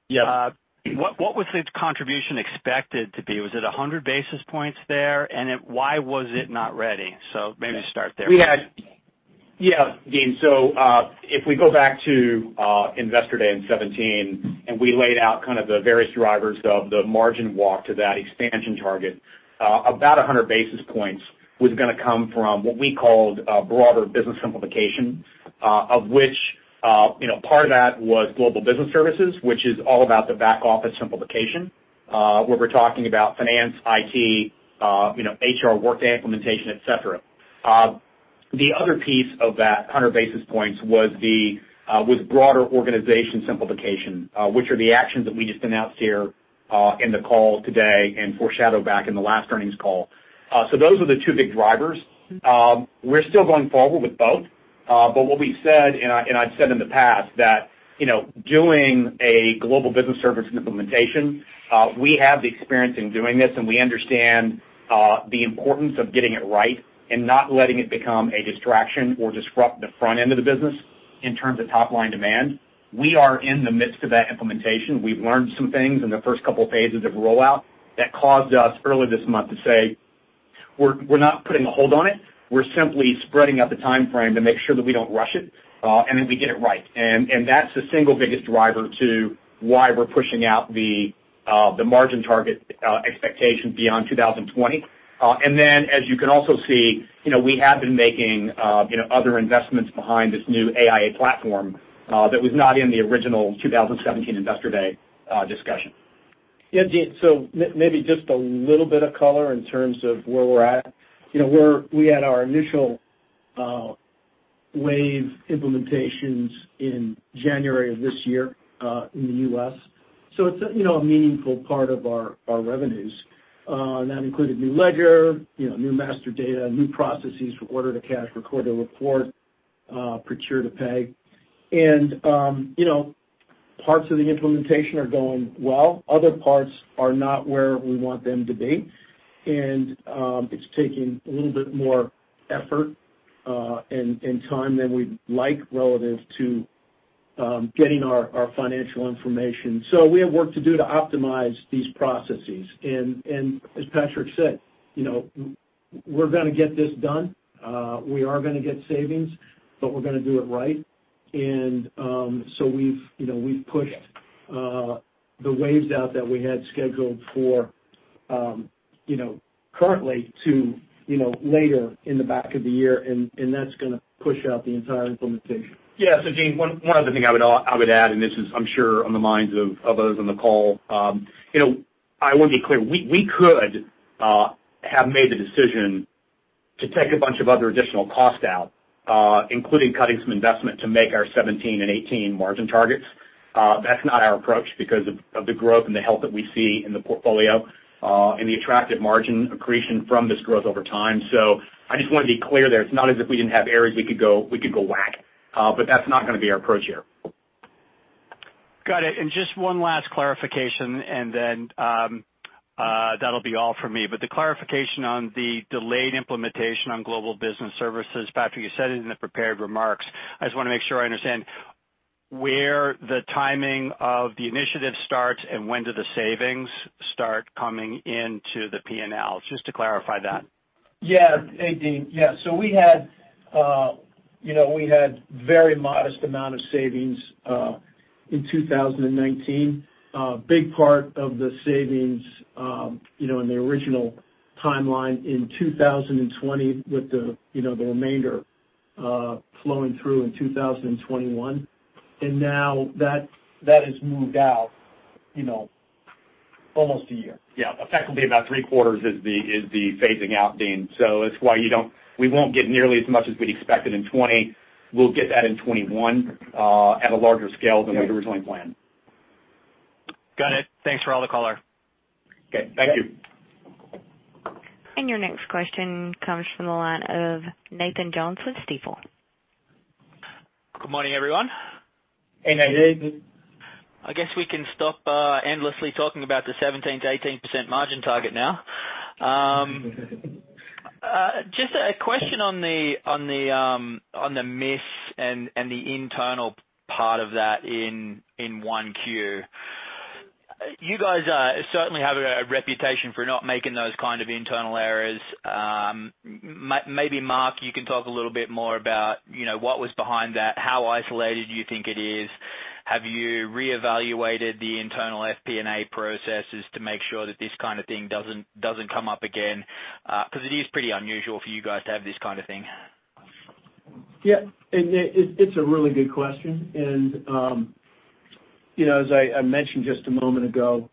S3: Yeah.
S5: What was the contribution expected to be? Was it 100 basis points there? Why was it not ready? Maybe start there.
S3: Deane, if we go back to Investor Day in 2017, and we laid out kind of the various drivers of the margin walk to that expansion target, about 100 basis points was going to come from what we called broader business simplification, of which part of that was Global Business Services, which is all about the back office simplification where we're talking about finance, IT, HR, Workday implementation, et cetera. The other piece of that 100 basis points was broader organization simplification, which are the actions that we just announced here in the call today and foreshadowed back in the last earnings call. Those are the two big drivers. We're still going forward with both, what we've said, and I've said in the past, that doing a Global Business Services implementation, we have the experience in doing this and we understand the importance of getting it right and not letting it become a distraction or disrupt the front end of the business in terms of top-line demand. We are in the midst of that implementation. We've learned some things in the first couple of phases of rollout that caused us early this month to say, we're not putting a hold on it. We're simply spreading out the timeframe to make sure that we don't rush it, and that we get it right. That's the single biggest driver to why we're pushing out the margin target expectation beyond 2020. As you can also see, we have been making other investments behind this new AIA platform, that was not in the original 2017 Investor Day discussion.
S4: Deane, maybe just a little bit of color in terms of where we're at. We had our initial wave implementations in January of this year, in the U.S. It's a meaningful part of our revenues. That included new ledger, new master data, new processes for order-to-cash, record-to-report, procure-to-pay. Parts of the implementation are going well. Other parts are not where we want them to be. It's taking a little bit more effort and time than we'd like relative to getting our financial information. We have work to do to optimize these processes. As Patrick said, we're going to get this done. We are going to get savings, we're going to do it right. We've pushed the waves out that we had scheduled for currently to later in the back of the year, that's going to push out the entire implementation.
S3: Deane, one other thing I would add, this is I'm sure on the minds of others on the call. I want to be clear. We could have made the decision to take a bunch of other additional costs out, including cutting some investment to make our 2017 and 2018 margin targets. That's not our approach because of the growth and the health that we see in the portfolio, and the attractive margin accretion from this growth over time. I just want to be clear there. It's not as if we didn't have areas we could go whack. That's not going to be our approach here.
S5: Got it. Just one last clarification and then that'll be all from me. The clarification on the delayed implementation on Global Business Services, Patrick, you said it in the prepared remarks. I just want to make sure I understand where the timing of the initiative starts and when do the savings start coming into the P&L? Just to clarify that.
S4: Hey, Deane. We had very modest amount of savings, in 2019. Big part of the savings in the original timeline in 2020 with the remainder flowing through in 2021. Now that has moved out almost a year.
S3: Yeah. Effectively about three quarters is the phasing out, Deane. It's why we won't get nearly as much as we'd expected in 2020. We'll get that in 2021, at a larger scale than we'd originally planned.
S5: Got it. Thanks for all the color.
S3: Okay. Thank you.
S1: Your next question comes from the line of Nathan Jones with Stifel.
S6: Good morning, everyone.
S4: Hey, Nathan.
S6: I guess we can stop endlessly talking about the 17%-18% margin target now. Just a question on the miss and the internal part of that in 1Q. You guys certainly have a reputation for not making those kind of internal errors. Maybe Mark, you can talk a little bit more about what was behind that. How isolated do you think it is? Have you reevaluated the internal FP&A processes to make sure that this kind of thing doesn't come up again? It is pretty unusual for you guys to have this kind of thing.
S4: Yeah. It's a really good question. As I mentioned just a moment ago,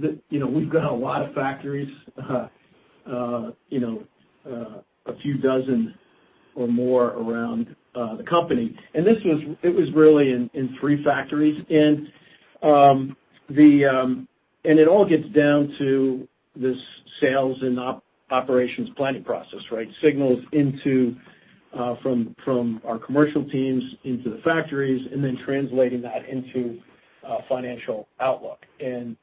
S4: we've got a lot of factories, a few dozen or more around the company. It was really in three factories. It all gets down to this sales and operations planning process, right? Signals from our commercial teams into the factories, and then translating that into a financial outlook. The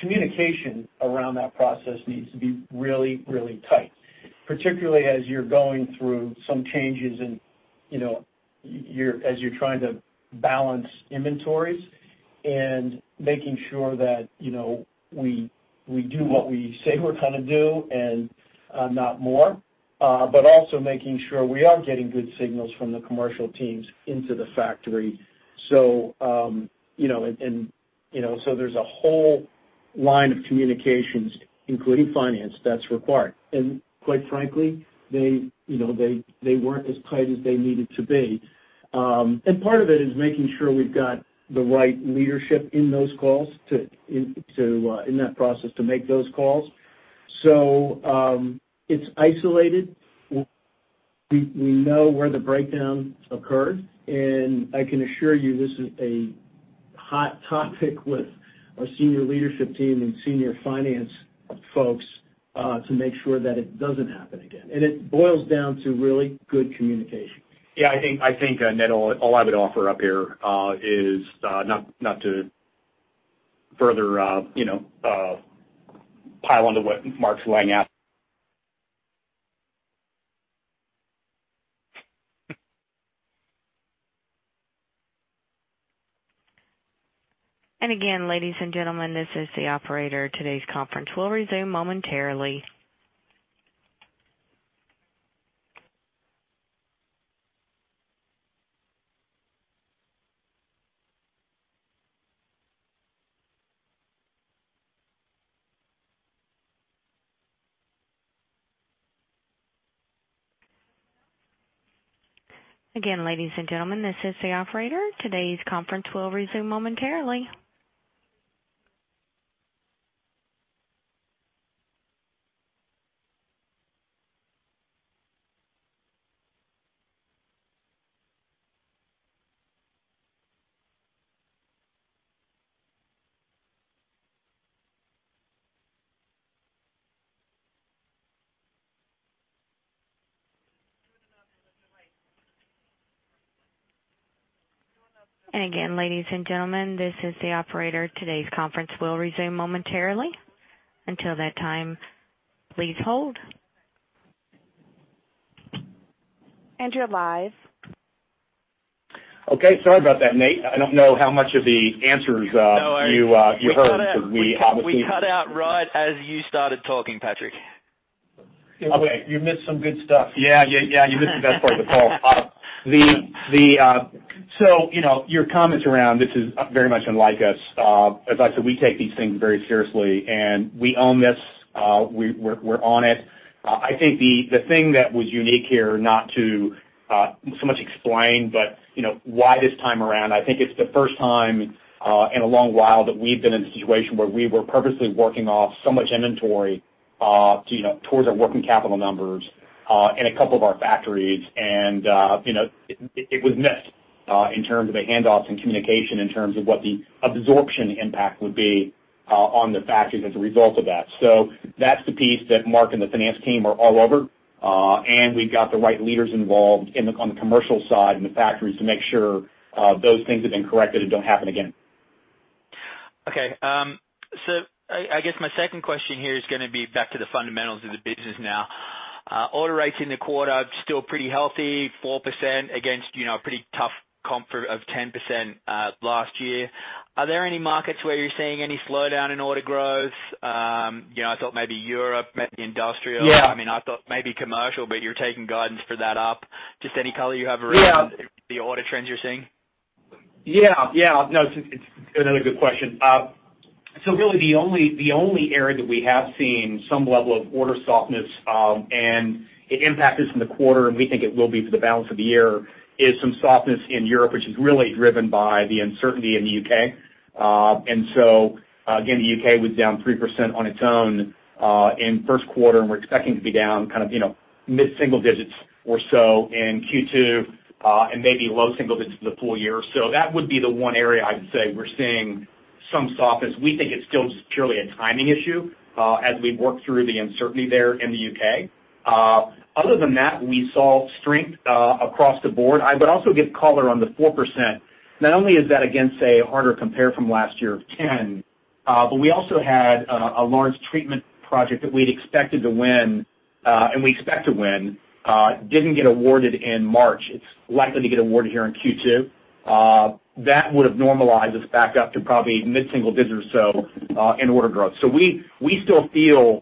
S4: communication around that process needs to be really tight, particularly as you're going through some changes as you're trying to balance inventories and making sure that we do what we say we're going to do and not more. Also making sure we are getting good signals from the commercial teams into the factory. There's a whole line of communications, including finance, that's required. Quite frankly, they weren't as tight as they needed to be. Part of it is making sure we've got the right leadership in that process to make those calls. It's isolated. We know where the breakdown occurred, I can assure you this is a hot topic with our senior leadership team and senior finance folks, to make sure that it doesn't happen again. It boils down to really good communication.
S3: Yeah. I think, Nate, all I would offer up here, is not to further pile onto what Mark's laying out.
S1: Again, ladies and gentlemen, this is the operator. Today's conference will resume momentarily. Again, ladies and gentlemen, this is the operator. Today's conference will resume momentarily. Again, ladies and gentlemen, this is the operator. Today's conference will resume momentarily. Until that time, please hold.
S4: You're live.
S3: Okay. Sorry about that, Nate. I don't know how much of the answers you heard because we.
S6: We cut out right as you started talking, Patrick.
S4: Okay. You missed some good stuff.
S3: Yeah. You missed the best part of the call. Your comments around this is very much unlike us. As I said, we take these things very seriously, and we own this. We're on it. I think the thing that was unique here, not to so much explain, but why this time around, I think it's the first time in a long while that we've been in a situation where we were purposely working off so much inventory towards our working capital numbers in a couple of our factories. It was missed in terms of the handoffs and communication in terms of what the absorption impact would be on the factories as a result of that. That's the piece that Mark and the finance team are all over. We've got the right leaders involved on the commercial side and the factories to make sure those things have been corrected and don't happen again.
S6: Okay. I guess my second question here is going to be back to the fundamentals of the business now. Order rates in the quarter are still pretty healthy, 4% against a pretty tough comfort of 10% last year. Are there any markets where you're seeing any slowdown in order growth? I thought maybe Europe, maybe industrial.
S3: Yeah.
S6: I thought maybe commercial, you're taking guidance for that up. Just any color you have around-
S3: Yeah
S6: the order trends you're seeing?
S3: Yeah. No, it's another good question. Really the only area that we have seen some level of order softness, and it impacted us in the quarter, and we think it will be for the balance of the year, is some softness in Europe, which is really driven by the uncertainty in the U.K. Again, the U.K. was down 3% on its own in first quarter, and we're expecting to be down mid-single digits or so in Q2, and maybe low single digits for the full year. That would be the one area I'd say we're seeing some softness. We think it's still just purely a timing issue as we work through the uncertainty there in the U.K. Other than that, we saw strength across the board. I would also give color on the 4%. Not only is that, again, say, a harder compare from last year of 10, we also had a large treatment project that we'd expected to win, and we expect to win, didn't get awarded in March. It's likely to get awarded here in Q2. That would have normalized us back up to probably mid-single digits or so in order growth. We still feel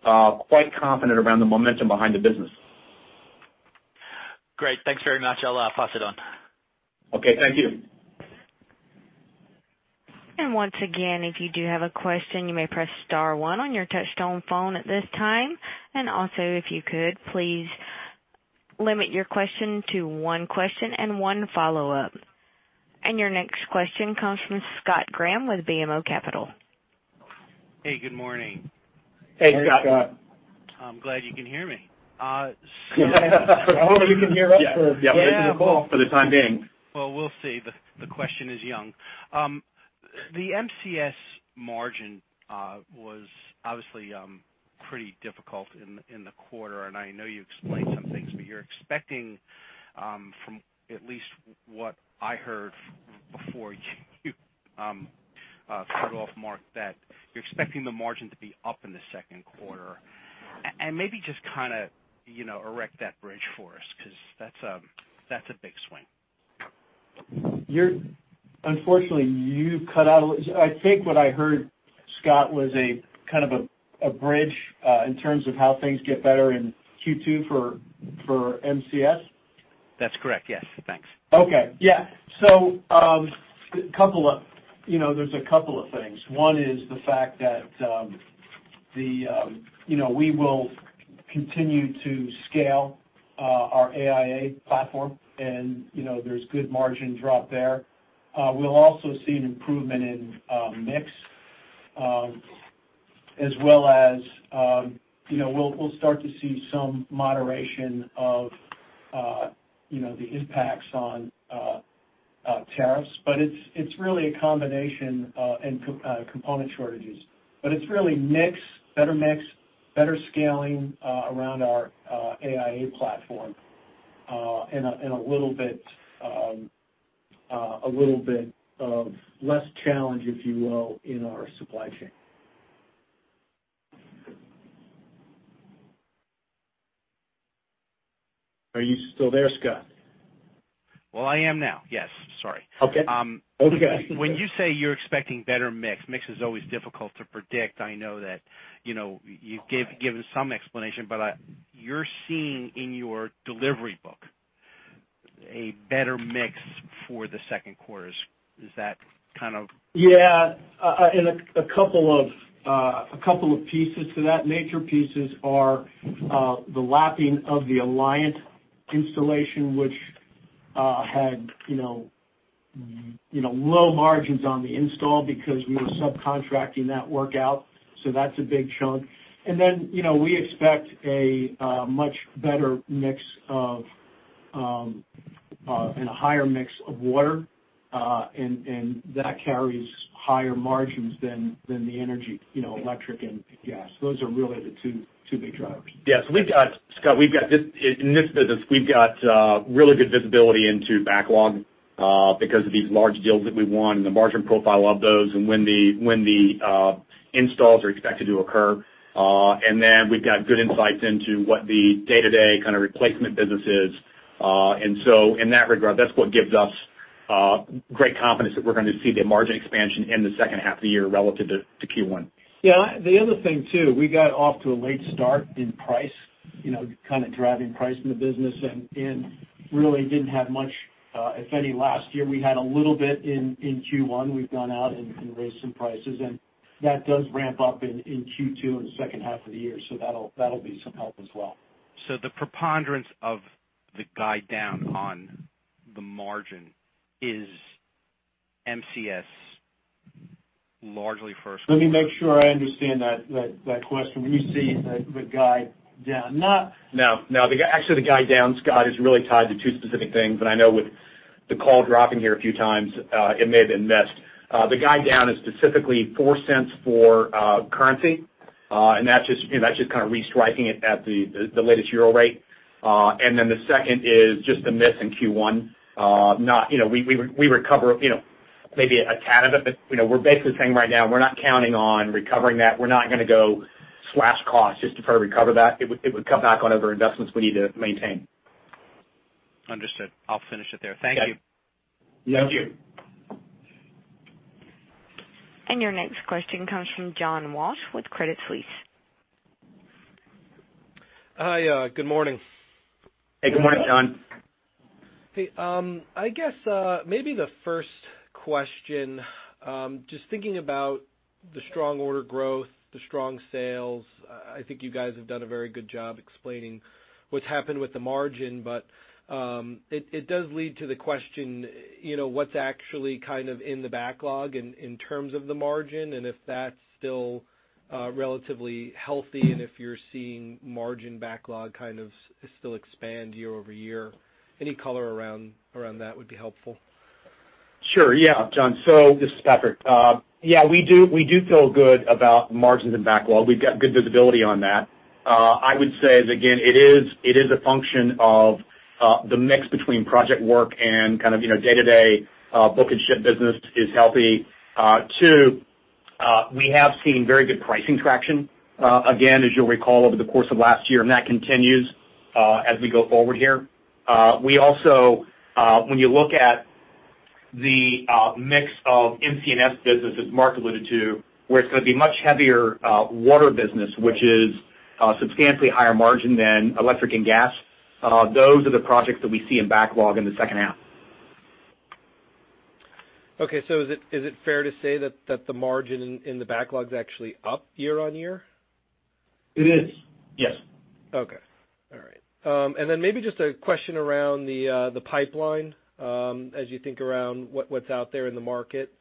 S3: quite confident around the momentum behind the business.
S6: Great. Thanks very much. I'll pass it on.
S3: Okay. Thank you.
S1: Once again, if you do have a question, you may press star one on your touchtone phone at this time. Also, if you could, please limit your question to one question and one follow-up. Your next question comes from Scott Graham with BMO Capital.
S7: Hey, good morning.
S3: Hey, Scott.
S4: Hey, Scott.
S7: I'm glad you can hear me.
S4: I hope you can hear us.
S3: For the time being.
S7: We'll see. The question is, John. The MCS margin was obviously pretty difficult in the quarter, I know you explained some things, but you're expecting from at least what I heard before you cut off, Mark, that you're expecting the margin to be up in the second quarter. Maybe just erect that bridge for us because that's a big swing.
S4: Unfortunately, you cut out a little. I think what I heard, Scott, was a kind of a bridge in terms of how things get better in Q2 for MCS?
S7: That's correct. Yes. Thanks.
S4: There's a couple of things. One is the fact that we will continue to scale our AIA platform, and there's good margin drop there. We'll also see an improvement in mix, as well as we'll start to see some moderation of the impacts on tariffs. It's really a combination and component shortages. It's really mix, better mix, better scaling around our AIA platform, and a little bit of less challenge, if you will, in our supply chain. Are you still there, Scott?
S7: I am now. Yes. Sorry.
S4: Okay. Over to you.
S7: When you say you're expecting better mix is always difficult to predict. I know that you've given some explanation, but you're seeing in your delivery book a better mix for the second quarter. Is that kind of-
S4: Yeah. A couple of pieces to that. Major pieces are the lapping of the Alliant installation, which had low margins on the install because we were subcontracting that work out. That's a big chunk. We expect a much better mix of, and a higher mix of water, and that carries higher margins than the energy, electric and gas. Those are really the two big drivers.
S3: Yes. Scott, in this business, we've got really good visibility into backlog, because of these large deals that we won and the margin profile of those and when the installs are expected to occur. We've got good insights into what the day-to-day kind of replacement business is. In that regard, that's what gives us great confidence that we're going to see the margin expansion in the second half of the year relative to Q1.
S4: Yeah. The other thing too, we got off to a late start in price, kind of driving price in the business and really didn't have much, if any, last year. We had a little bit in Q1. We've gone out and raised some prices and that does ramp up in Q2 in the second half of the year. That'll be some help as well.
S7: The preponderance of the guide down on the margin is MCS largely for-
S4: Let me make sure I understand that question. When you say the guide down, not-
S3: Actually the guide down, Scott, is really tied to two specific things. I know with the call dropping here a few times, it may have been missed. The guide down is specifically $0.04 for currency. That's just kind of restriking it at the latest EUR rate. The second is just the miss in Q1. We recover maybe a tad of it, but we're basically saying right now we're not counting on recovering that. We're not going to go slash costs just to try to recover that. It would cut back on other investments we need to maintain.
S7: Understood. I'll finish it there. Thank you.
S3: Okay.
S4: Thank you.
S1: Your next question comes from John Walsh with Credit Suisse.
S8: Hi. Good morning.
S3: Hey, good morning, John.
S8: Hey. I guess, maybe the first question, just thinking about the strong order growth, the strong sales. I think you guys have done a very good job explaining what's happened with the margin, but it does lead to the question, what's actually kind of in the backlog in terms of the margin, and if that's still relatively healthy and if you're seeing margin backlog kind of still expand year-over-year. Any color around that would be helpful.
S3: Sure. Yeah, John. This is Patrick. We do feel good about margins and backlog. We've got good visibility on that. I would say is again, it is a function of the mix between project work and kind of day-to-day book and ship business is healthy. Two, we have seen very good pricing traction, again, as you'll recall, over the course of last year, and that continues as we go forward here. We also, when you look at the mix of MC&S business, as Mark alluded to, where it's going to be much heavier water business, which is substantially higher margin than electric and gas. Those are the projects that we see in backlog in the second half.
S8: Okay, is it fair to say that the margin in the backlog is actually up year-on-year?
S3: It is. Yes.
S8: Okay. All right. Then maybe just a question around the pipeline, as you think around what's out there in the market,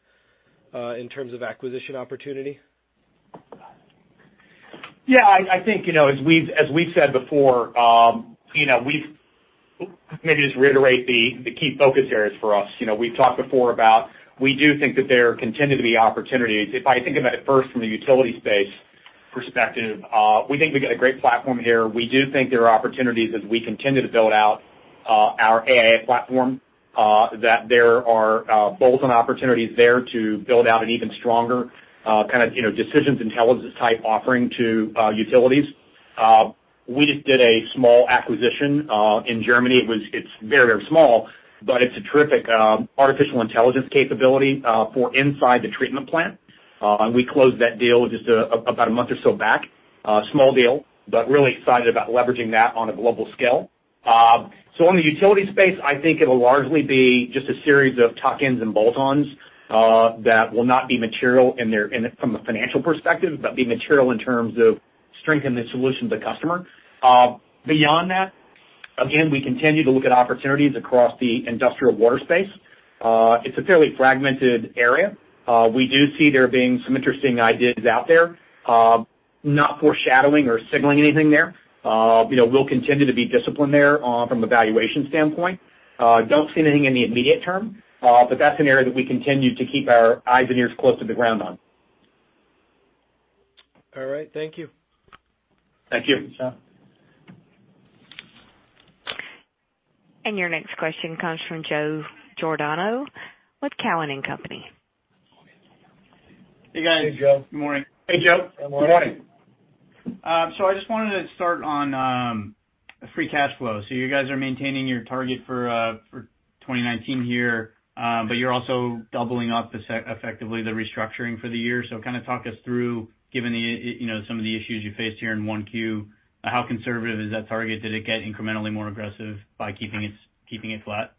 S8: in terms of acquisition opportunity.
S3: I think, as we've said before, maybe just reiterate the key focus areas for us. We've talked before about, we do think that there continue to be opportunities. If I think about it first from a utility space perspective, we think we've got a great platform here. We do think there are opportunities as we continue to build out our AIA platform, that there are bolt-on opportunities there to build out an even stronger kind of decisions intelligence type offering to utilities. We just did a small acquisition in Germany. It's very small, but it's a terrific artificial intelligence capability for inside the treatment plant. We closed that deal just about a month or so back. A small deal, but really excited about leveraging that on a global scale. On the utility space, I think it'll largely be just a series of tuck-ins and bolt-ons, that will not be material from a financial perspective, but be material in terms of strengthening the solution to the customer. Beyond that, again, we continue to look at opportunities across the industrial water space. It's a fairly fragmented area. We do see there being some interesting ideas out there. Not foreshadowing or signaling anything there. We'll continue to be disciplined there from a valuation standpoint. Don't see anything in the immediate term. That's an area that we continue to keep our eyes and ears close to the ground on.
S8: All right. Thank you.
S3: Thank you.
S4: Thank you, John.
S1: Your next question comes from Joseph Giordano with Cowen and Company.
S9: Hey, guys.
S3: Hey, Joe.
S9: Good morning.
S4: Hey, Joe.
S3: Good morning.
S9: Good morning. I just wanted to start on free cash flow. You guys are maintaining your target for 2019 here, but you are also doubling up effectively the restructuring for the year. Talk us through, given some of the issues you faced here in 1Q, how conservative is that target? Did it get incrementally more aggressive by keeping it flat?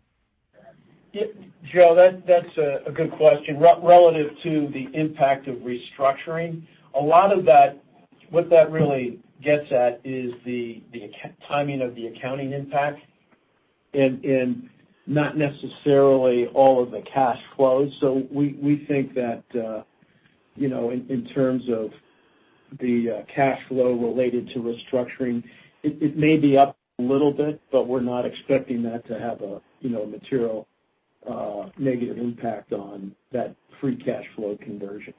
S4: Joe, that's a good question. Relative to the impact of restructuring, a lot of that, what that really gets at is the timing of the accounting impact and not necessarily all of the cash flows. We think that in terms of the cash flow related to restructuring, it may be up a little bit, but we are not expecting that to have a material negative impact on that free cash flow conversion.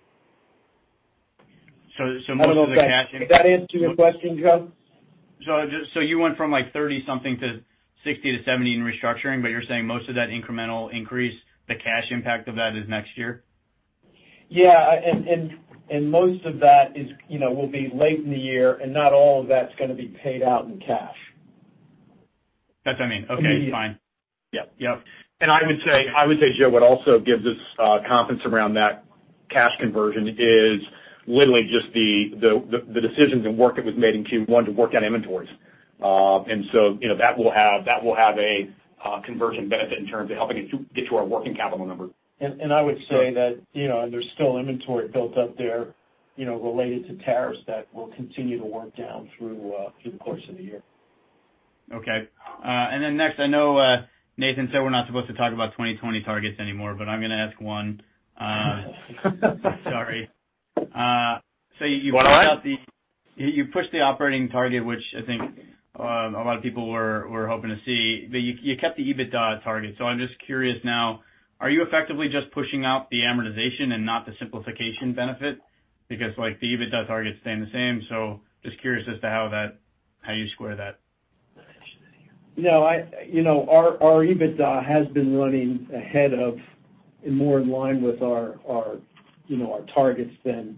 S9: Most of the cash-
S4: I don't know if that answered your question, Joe.
S9: You went from like 30 something to 60 to 70 in restructuring, but you're saying most of that incremental increase, the cash impact of that is next year?
S4: Yeah. Most of that will be late in the year, and not all of that's going to be paid out in cash.
S9: That's what I mean. Okay, fine. Yep.
S3: I would say, Joe, what also gives us confidence around that cash conversion is literally just the decisions and work that was made in Q1 to work down inventories. That will have a conversion benefit in terms of helping get to our working capital number.
S4: I would say that there's still inventory built up there related to tariffs that will continue to work down through the course of the year.
S9: Okay. Next, I know Nathan said we're not supposed to talk about 2020 targets anymore, but I'm going to ask one. Sorry.
S3: You want what?
S9: You pushed the operating target, which I think a lot of people were hoping to see, you kept the EBITDA target. I'm just curious now, are you effectively just pushing out the amortization and not the simplification benefit? The EBITDA target is staying the same, just curious as to how you square that.
S4: No. Our EBITDA has been running ahead of and more in line with our targets than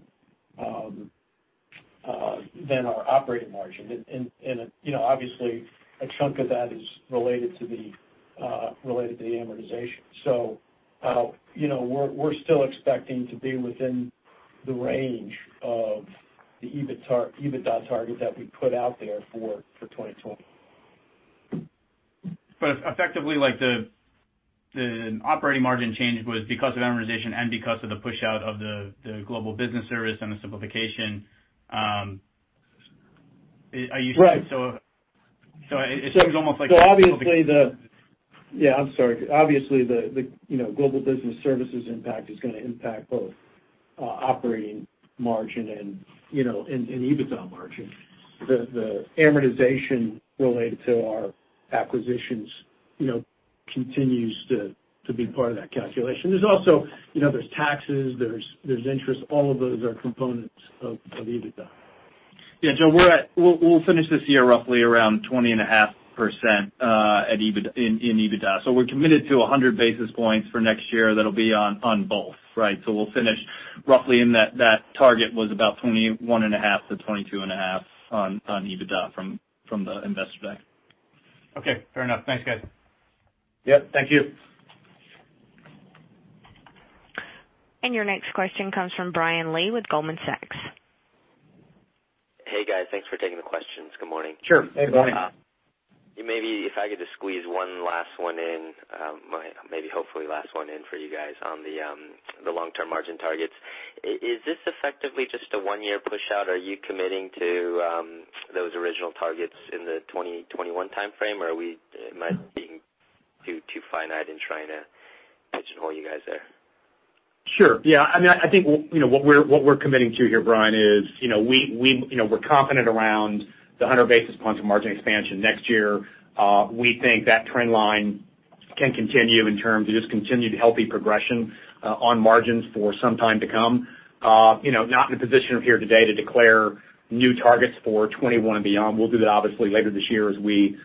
S4: our operating margin. Obviously, a chunk of that is related to the amortization. We're still expecting to be within the range of the EBITDA target that we put out there for 2020.
S9: Effectively, the operating margin change was because of amortization and because of the pushout of the Global Business Services and the simplification.
S4: Right.
S9: It seems almost.
S4: Obviously, the Global Business Services impact is going to impact both operating margin and EBITDA margin. The amortization related to our acquisitions continues to be part of that calculation. There's also taxes, there's interest. All of those are components of EBITDA.
S3: Joe, we'll finish this year roughly around 20.5% in EBITDA. We're committed to 100 basis points for next year. That'll be on both. We'll finish roughly in that target was about 21.5%-22.5% on EBITDA from the investor day.
S9: Fair enough. Thanks, guys.
S4: Thank you.
S1: Your next question comes from Brian Lee with Goldman Sachs.
S10: Hey, guys. Thanks for taking the questions. Good morning.
S3: Sure.
S4: Hey, Brian.
S10: Maybe if I could just squeeze one last one in, maybe hopefully last one in for you guys on the long-term margin targets. Is this effectively just a one-year pushout? Are you committing to those original targets in the 2021 timeframe, or am I being too finite in trying to pitch and hold you guys there?
S3: Sure. Yeah. I think what we're committing to here, Brian, is we're confident around the 100 basis points of margin expansion next year. We think that trend line can continue in terms of just continued healthy progression on margins for some time to come. Not in a position here today to declare new targets for 2021 and beyond. We'll do that obviously later this year as we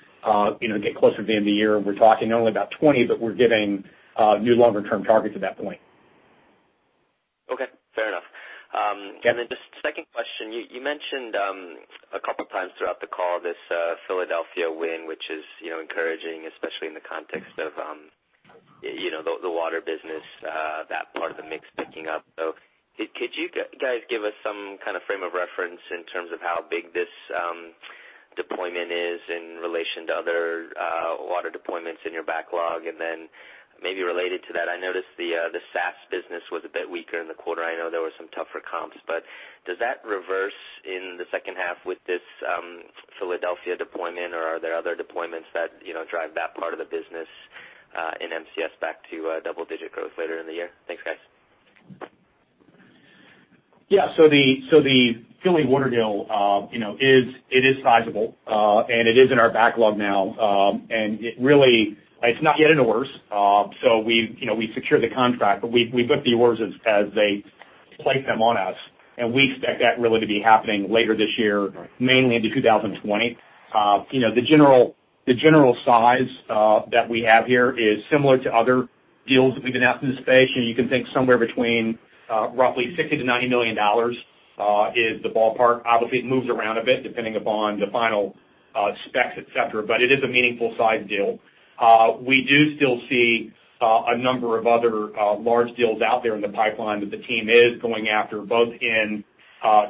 S3: get closer to the end of the year. We're talking not only about 2020, but we're giving new longer term targets at that point.
S10: Okay, fair enough.
S3: Yeah.
S10: Just second question. You mentioned a couple times throughout the call this Philadelphia win, which is encouraging, especially in the context of the water business, that part of the mix picking up. Could you guys give us some kind of frame of reference in terms of how big this deployment is in relation to other water deployments in your backlog? Then maybe related to that, I noticed the SaaS business was a bit weaker in the quarter. I know there were some tougher comps, but does that reverse in the second half with this Philadelphia deployment, or are there other deployments that drive that part of the business in MCS back to double-digit growth later in the year? Thanks, guys.
S3: Yeah, the Philly Water deal it is sizable. It is in our backlog now. It's not yet in orders. We've secured the contract, but we book the orders as they place them on us, and we expect that really to be happening later this year, mainly into 2020. The general size that we have here is similar to other deals that we've announced in the space, you can think somewhere between roughly $60 million-$90 million is the ballpark. Obviously, it moves around a bit depending upon the final specs, et cetera, but it is a meaningful size deal. We do still see a number of other large deals out there in the pipeline that the team is going after, both in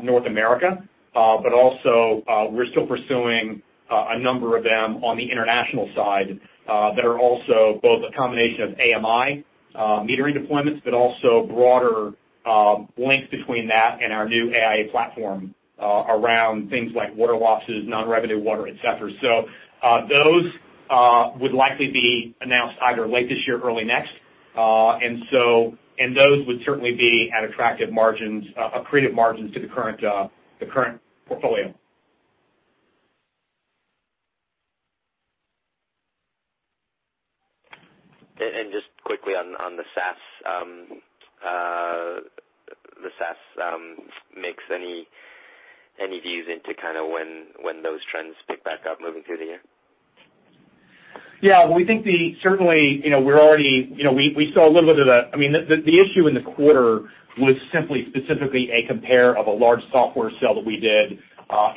S3: North America, but also we're still pursuing a number of them on the international side that are also both a combination of AMI metering deployments, but also broader links between that and our new AIA platform around things like water losses, non-revenue water, et cetera. Those would likely be announced either late this year or early next. Those would certainly be at attractive margins, accretive margins to the current portfolio.
S10: Just quickly on the SaaS mix? Any views into when those trends pick back up moving through the year?
S3: Yeah. We saw a little bit of the issue in the quarter was simply, specifically a compare of a large software sale that we did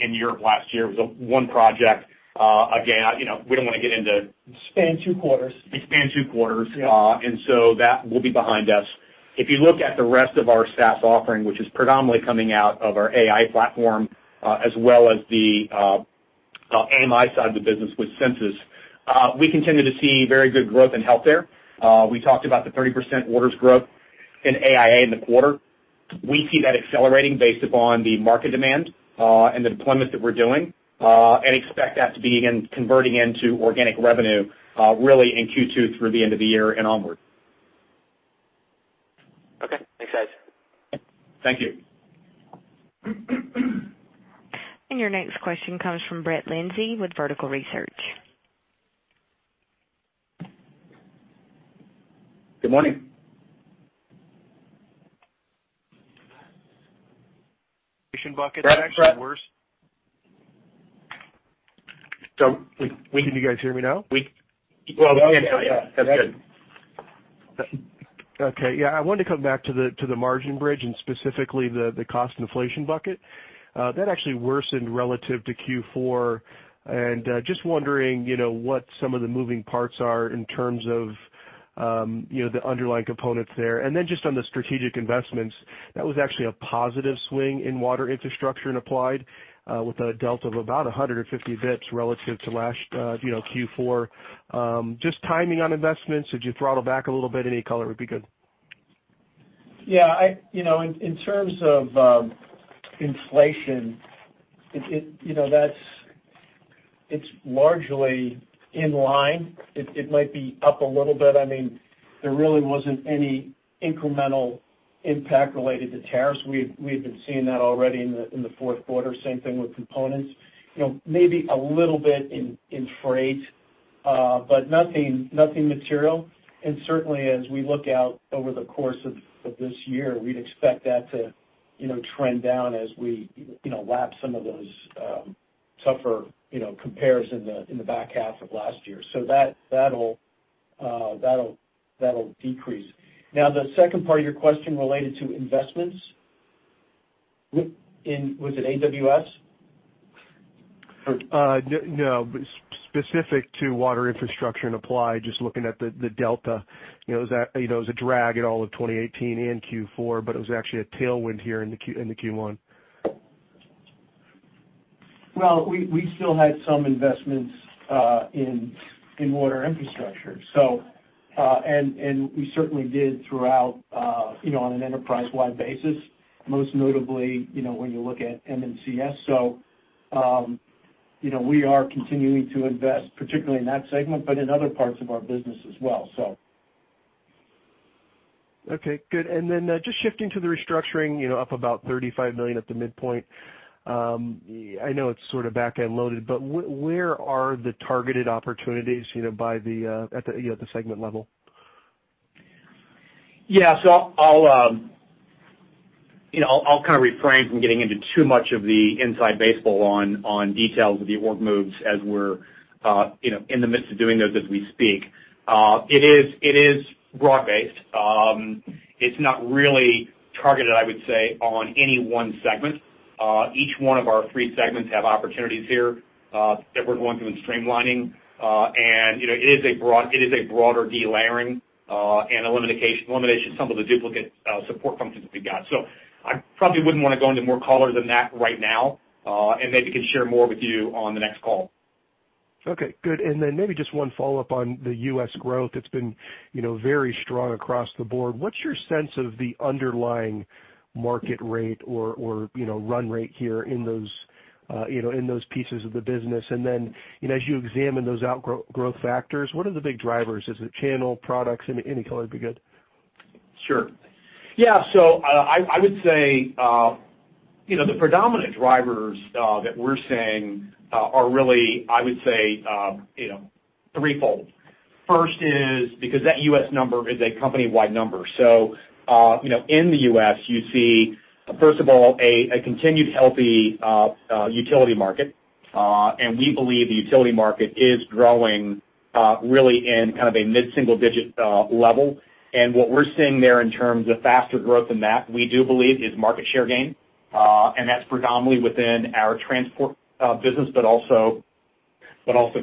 S3: in Europe last year. It was one project. Again, we don't want to get into-
S4: It spanned two quarters.
S3: It spanned two quarters.
S4: Yeah.
S3: That will be behind us. If you look at the rest of our SaaS offering, which is predominantly coming out of our AIA platform, as well as the AMI side of the business with Sensus, we continue to see very good growth in HealthyAir. We talked about the 30% orders growth in AIA in the quarter. We see that accelerating based upon the market demand and the deployments that we're doing, and expect that to be converting into organic revenue really in Q2 through the end of the year and onward.
S10: Okay. Thanks, guys.
S3: Thank you.
S1: Your next question comes from Brett Lindsey with Vertical Research.
S3: Good morning.
S11: Buscaglia, that actually.
S3: Brett?
S11: Can you guys hear me now?
S3: Well, we can now.
S4: Yeah. That's good.
S11: I wanted to come back to the margin bridge and specifically the cost inflation bucket. That actually worsened relative to Q4, and just wondering what some of the moving parts are in terms of the underlying components there. Then just on the strategic investments, that was actually a positive swing in Water Infrastructure and Applied with a delta of about 150 basis points relative to last Q4. Just timing on investments, did you throttle back a little bit? Any color would be good.
S4: In terms of inflation, it's largely in line. It might be up a little bit. There really wasn't any incremental impact related to tariffs. We had been seeing that already in the fourth quarter. Same thing with components. Maybe a little bit in freight, but nothing material. Certainly, as we look out over the course of this year, we'd expect that to trend down as we lap some of those tougher compares in the back half of last year. That'll decrease. Now, the second part of your question related to investments. In, was it AWS?
S11: No, specific to Water Infrastructure and Applied, just looking at the delta. It was a drag in all of 2018 and Q4, but it was actually a tailwind here in the Q1.
S4: Well, we still had some investments in Water Infrastructure. We certainly did throughout on an enterprise-wide basis, most notably when you look at MCS. We are continuing to invest, particularly in that segment, but in other parts of our business as well.
S11: Okay, good. Just shifting to the restructuring, up about $35 million at the midpoint. I know it's sort of back-end loaded, but where are the targeted opportunities at the segment level?
S3: Yeah. I'll kind of refrain from getting into too much of the inside baseball on details of the org moves as we're in the midst of doing those as we speak. It is broad-based. It's not really targeted, I would say, on any one segment. Each one of our three segments have opportunities here that we're going through and streamlining. It is a broader delayering and elimination of some of the duplicate support functions that we've got. I probably wouldn't want to go into more color than that right now. Maybe can share more with you on the next call.
S11: Maybe just one follow-up on the U.S. growth that's been very strong across the board. What's your sense of the underlying market rate or run rate here in those pieces of the business? As you examine those out growth factors, what are the big drivers? Is it channel, products? Any color would be good.
S3: Sure. Yeah. I would say the predominant drivers that we're seeing are really, I would say, threefold. First is because that U.S. number is a company-wide number. In the U.S., you see, first of all, a continued healthy utility market. We believe the utility market is growing really in kind of a mid-single digit level. What we're seeing there in terms of faster growth than that, we do believe is market share gain, and that's predominantly within our transport business, but also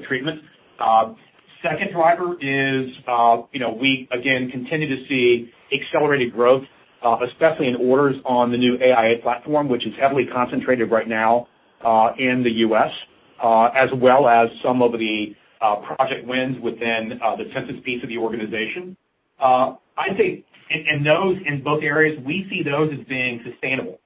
S3: treatment. Second driver is we again continue to see accelerated growth, especially in orders on the new AIA platform, which is heavily concentrated right now in the U.S., as well as some of the project wins within the Sensus piece of the organization. I'd say in both areas, we see those as being sustainable.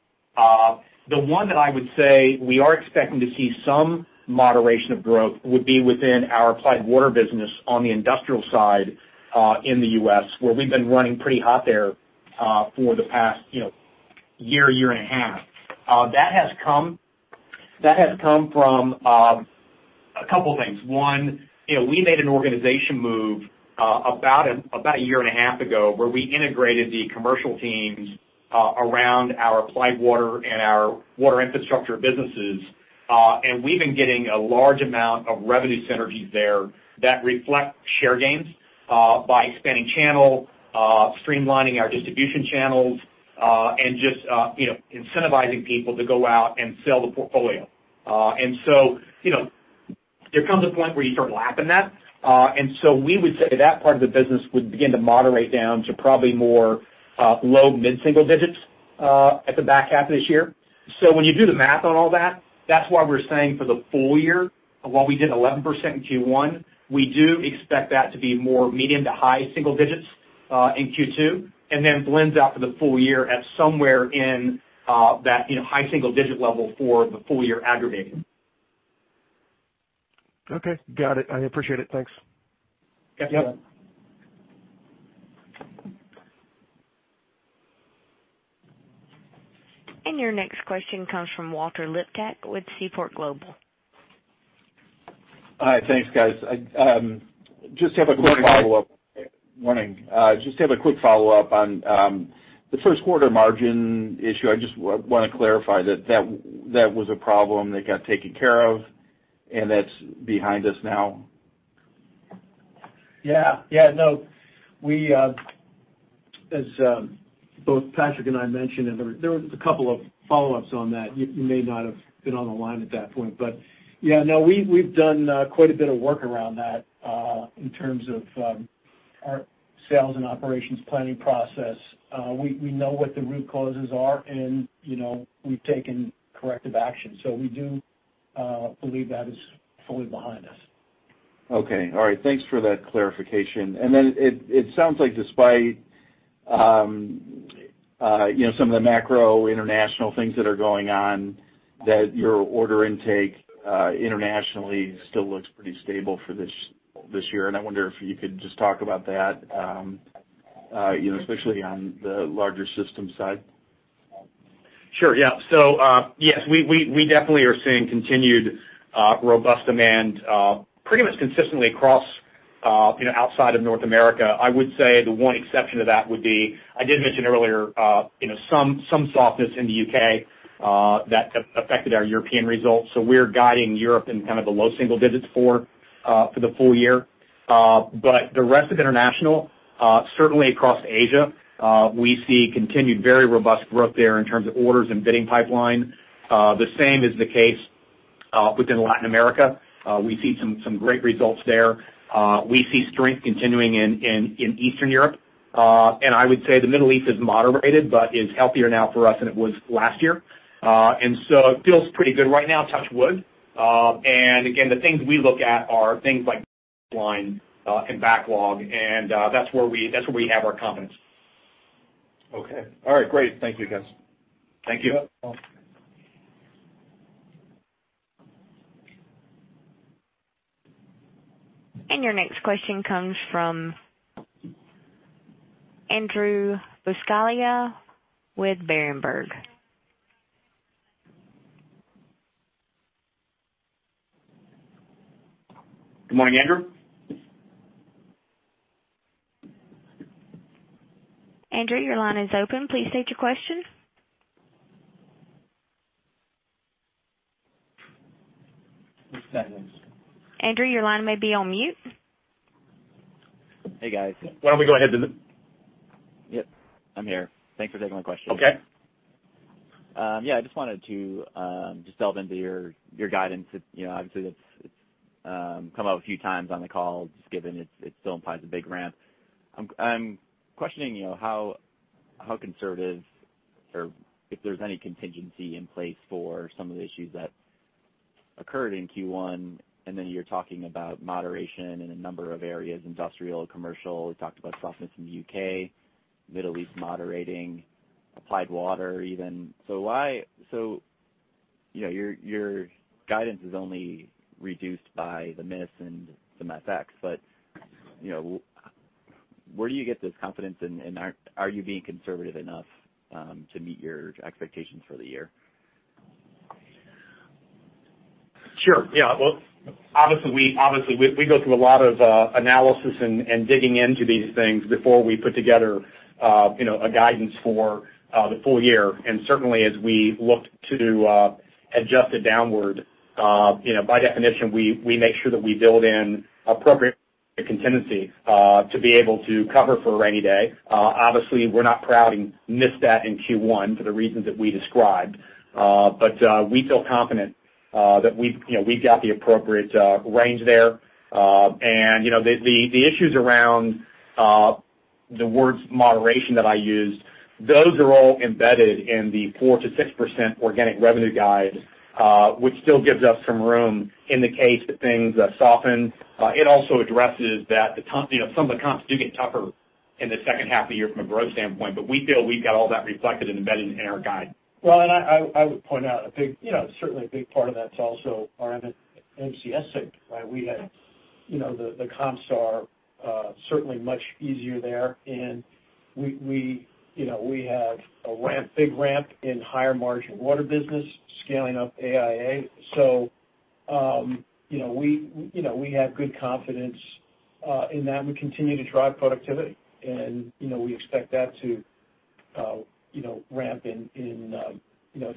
S3: The one that I would say we are expecting to see some moderation of growth would be within our Applied Water Systems business on the industrial side in the U.S., where we've been running pretty hot there for the past year and a half. That has come from a couple of things. One, we made an organization move about a year and a half ago, where we integrated the commercial teams around our Applied Water Systems and our Water Infrastructure businesses. We've been getting a large amount of revenue synergies there that reflect share gains by expanding channel, streamlining our distribution channels, and just incentivizing people to go out and sell the portfolio. There comes a point where you start lapping that. We would say that part of the business would begin to moderate down to probably more low mid-single digits at the back half of this year. When you do the math on all that's why we're saying for the full year, while we did 11% in Q1, we do expect that to be more medium to high single digits in Q2, and then blends out for the full year at somewhere in that high single digit level for the full year aggregate.
S11: Okay, got it. I appreciate it, thanks.
S3: Yes, sir.
S4: Yep.
S1: Your next question comes from Walter Liptak with Seaport Global.
S12: Hi, thanks guys. I just have a quick follow-up. Morning. Just have a quick follow-up on the first quarter margin issue. I just want to clarify that was a problem that got taken care of and that's behind us now?
S4: As both Patrick and I mentioned, there was a couple of follow-ups on that. You may not have been on the line at that point, yeah, no, we've done quite a bit of work around that, in terms of our sales and operations planning process. We know what the root causes are and we've taken corrective action, so we do believe that is fully behind us.
S12: Okay. All right. Thanks for that clarification. It sounds like despite some of the macro international things that are going on, that your order intake internationally still looks pretty stable for this year. I wonder if you could just talk about that especially on the larger systems side.
S3: Sure, yeah. Yes, we definitely are seeing continued robust demand pretty much consistently across outside of North America. I would say the one exception to that would be, I did mention earlier some softness in the U.K. that affected our European results. We're guiding Europe in kind of the low single digits for the full year. The rest of international, certainly across Asia, we see continued very robust growth there in terms of orders and bidding pipeline. The same is the case within Latin America. We see some great results there. We see strength continuing in Eastern Europe. I would say the Middle East has moderated, but is healthier now for us than it was last year. It feels pretty good right now, touch wood. Again, the things we look at are things like pipeline and backlog, and that's where we have our confidence.
S12: Okay. All right, great. Thank you, guys.
S3: Thank you.
S4: Yep.
S1: Your next question comes from Andrew Buscaglia with Berenberg.
S3: Good morning, Andrew.
S1: Andrew, your line is open. Please state your question. Andrew, your line may be on mute.
S11: Hey, guys.
S3: Why don't we go ahead, Bridget.
S11: Yep, I'm here. Thanks for taking my question.
S3: Okay.
S11: I just wanted to delve into your guidance. Obviously, it's come up a few times on the call just given it still implies a big ramp. I'm questioning how conservative, or if there's any contingency in place for some of the issues that occurred in Q1, and then you're talking about moderation in a number of areas, industrial, commercial. We talked about softness in the U.K., Middle East moderating, applied water even. Your guidance is only reduced by the miss and some FX, but where do you get this confidence and are you being conservative enough to meet your expectations for the year?
S3: Well, obviously, we go through a lot of analysis and digging into these things before we put together a guidance for the full year. Certainly as we looked to adjust it downward, by definition, we make sure that we build in appropriate contingency to be able to cover for a rainy day. Obviously, we're not proud and missed that in Q1 for the reasons that we described. We feel confident that we've got the appropriate range there. The issues around the words moderation that I used, those are all embedded in the 4%-6% organic revenue guide, which still gives us some room in the case that things soften. It also addresses that some of the comps do get tougher in the second half of the year from a growth standpoint. We feel we've got all that reflected and embedded in our guide.
S4: Well, I would point out, certainly a big part of that's also our MCS segment, right? The comps are certainly much easier there, and we have a big ramp in higher margin water business scaling up AIA. We have good confidence in that, and we continue to drive productivity, and we expect that to ramp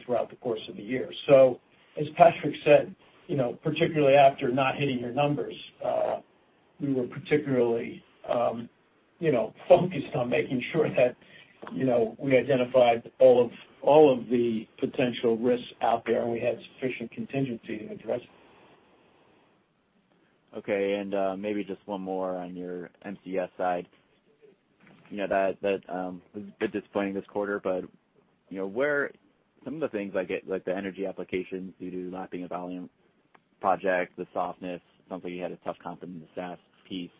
S4: throughout the course of the year. As Patrick said, particularly after not hitting your numbers, we were particularly focused on making sure that we identified all of the potential risks out there, and we had sufficient contingency to address it.
S11: Okay, maybe just one more on your MCS side. That was a bit disappointing this quarter, but some of the things like the energy applications due to lapping a volume project, the softness, it sounds like you had a tough comp in the SaaS piece.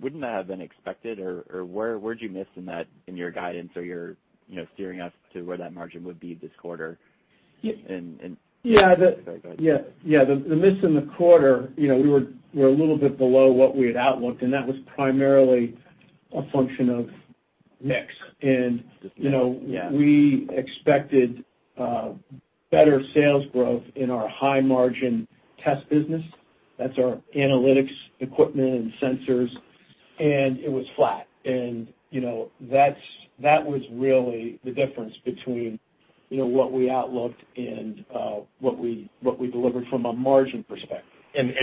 S11: Wouldn't that have been expected or where'd you miss in your guidance or your steering us to where that margin would be this quarter?
S4: Yeah.
S11: Sorry, go ahead.
S4: Yeah. The miss in the quarter, we were a little bit below what we had outlooked, and that was primarily a function of mix.
S11: Yes.
S4: We expected better sales growth in our high margin test business. That's our analytics equipment and sensors, and it was flat. That was really the difference between what we outlooked and what we delivered from a margin perspective.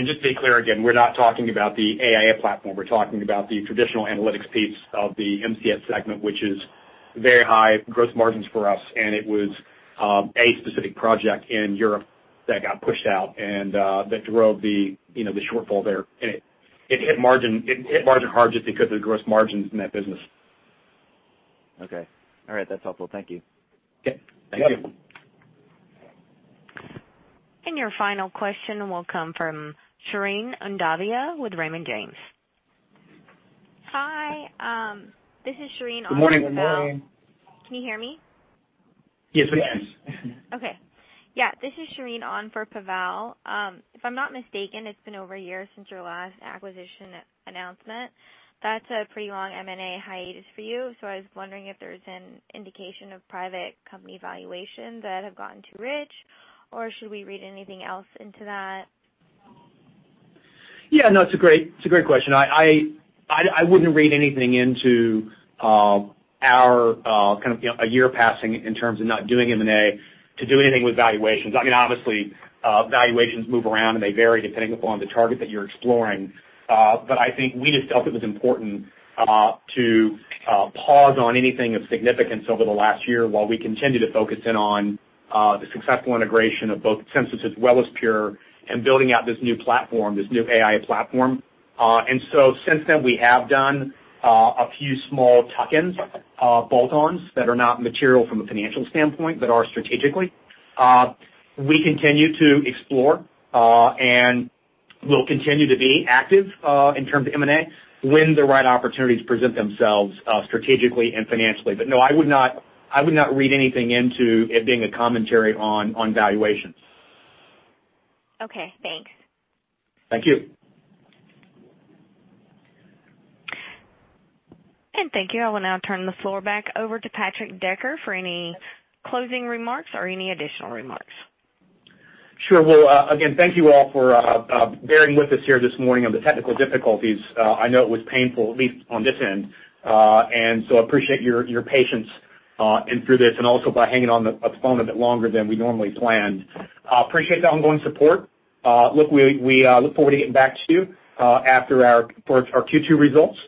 S3: Just to be clear again, we're not talking about the AIA platform. We're talking about the traditional analytics piece of the MCS segment, which is very high gross margins for us, and it was a specific project in Europe that got pushed out and that drove the shortfall there. It hit margin hard just because of the gross margins in that business.
S11: Okay. All right, that's helpful. Thank you.
S3: Okay. Thank you.
S4: Yep.
S1: Your final question will come from Shireen Andavia with Raymond James.
S13: Hi, this is Shireen on for Pavel.
S3: Good morning.
S4: Good morning.
S13: Can you hear me?
S3: Yes, we can.
S4: Yes.
S13: Okay. Yeah, this is Shireen on for Pavel. If I am not mistaken, it has been over a year since your last acquisition announcement. That is a pretty long M&A hiatus for you. I was wondering if there is an indication of private company valuations that have gotten too rich, or should we read anything else into that?
S3: No, it is a great question. I would not read anything into a year passing in terms of not doing M&A to do anything with valuations. Obviously, valuations move around, and they vary depending upon the target that you are exploring. I think we just felt it was important to pause on anything of significance over the last year while we continued to focus in on the successful integration of both Sensus as well as Pure and building out this new platform, this new AIA platform. Since then, we have done a few small tuck-ins, bolt-ons that are not material from a financial standpoint, but are strategically. We continue to explore, and we will continue to be active in terms of M&A when the right opportunities present themselves strategically and financially. No, I would not read anything into it being a commentary on valuations.
S13: Okay, thanks.
S3: Thank you.
S1: Thank you. I will now turn the floor back over to Patrick Decker for any closing remarks or any additional remarks.
S3: Sure. Well, again, thank you all for bearing with us here this morning on the technical difficulties. I know it was painful, at least on this end. Appreciate your patience in through this and also by hanging on the phone a bit longer than we normally planned. Appreciate the ongoing support. We look forward to getting back to you for our Q2 results.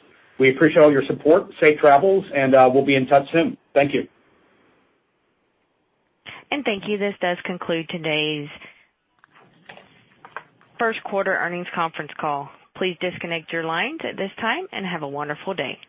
S3: We appreciate all your support. Safe travels, and we'll be in touch soon. Thank you.
S1: Thank you. This does conclude today's first quarter earnings conference call. Please disconnect your lines at this time, and have a wonderful day.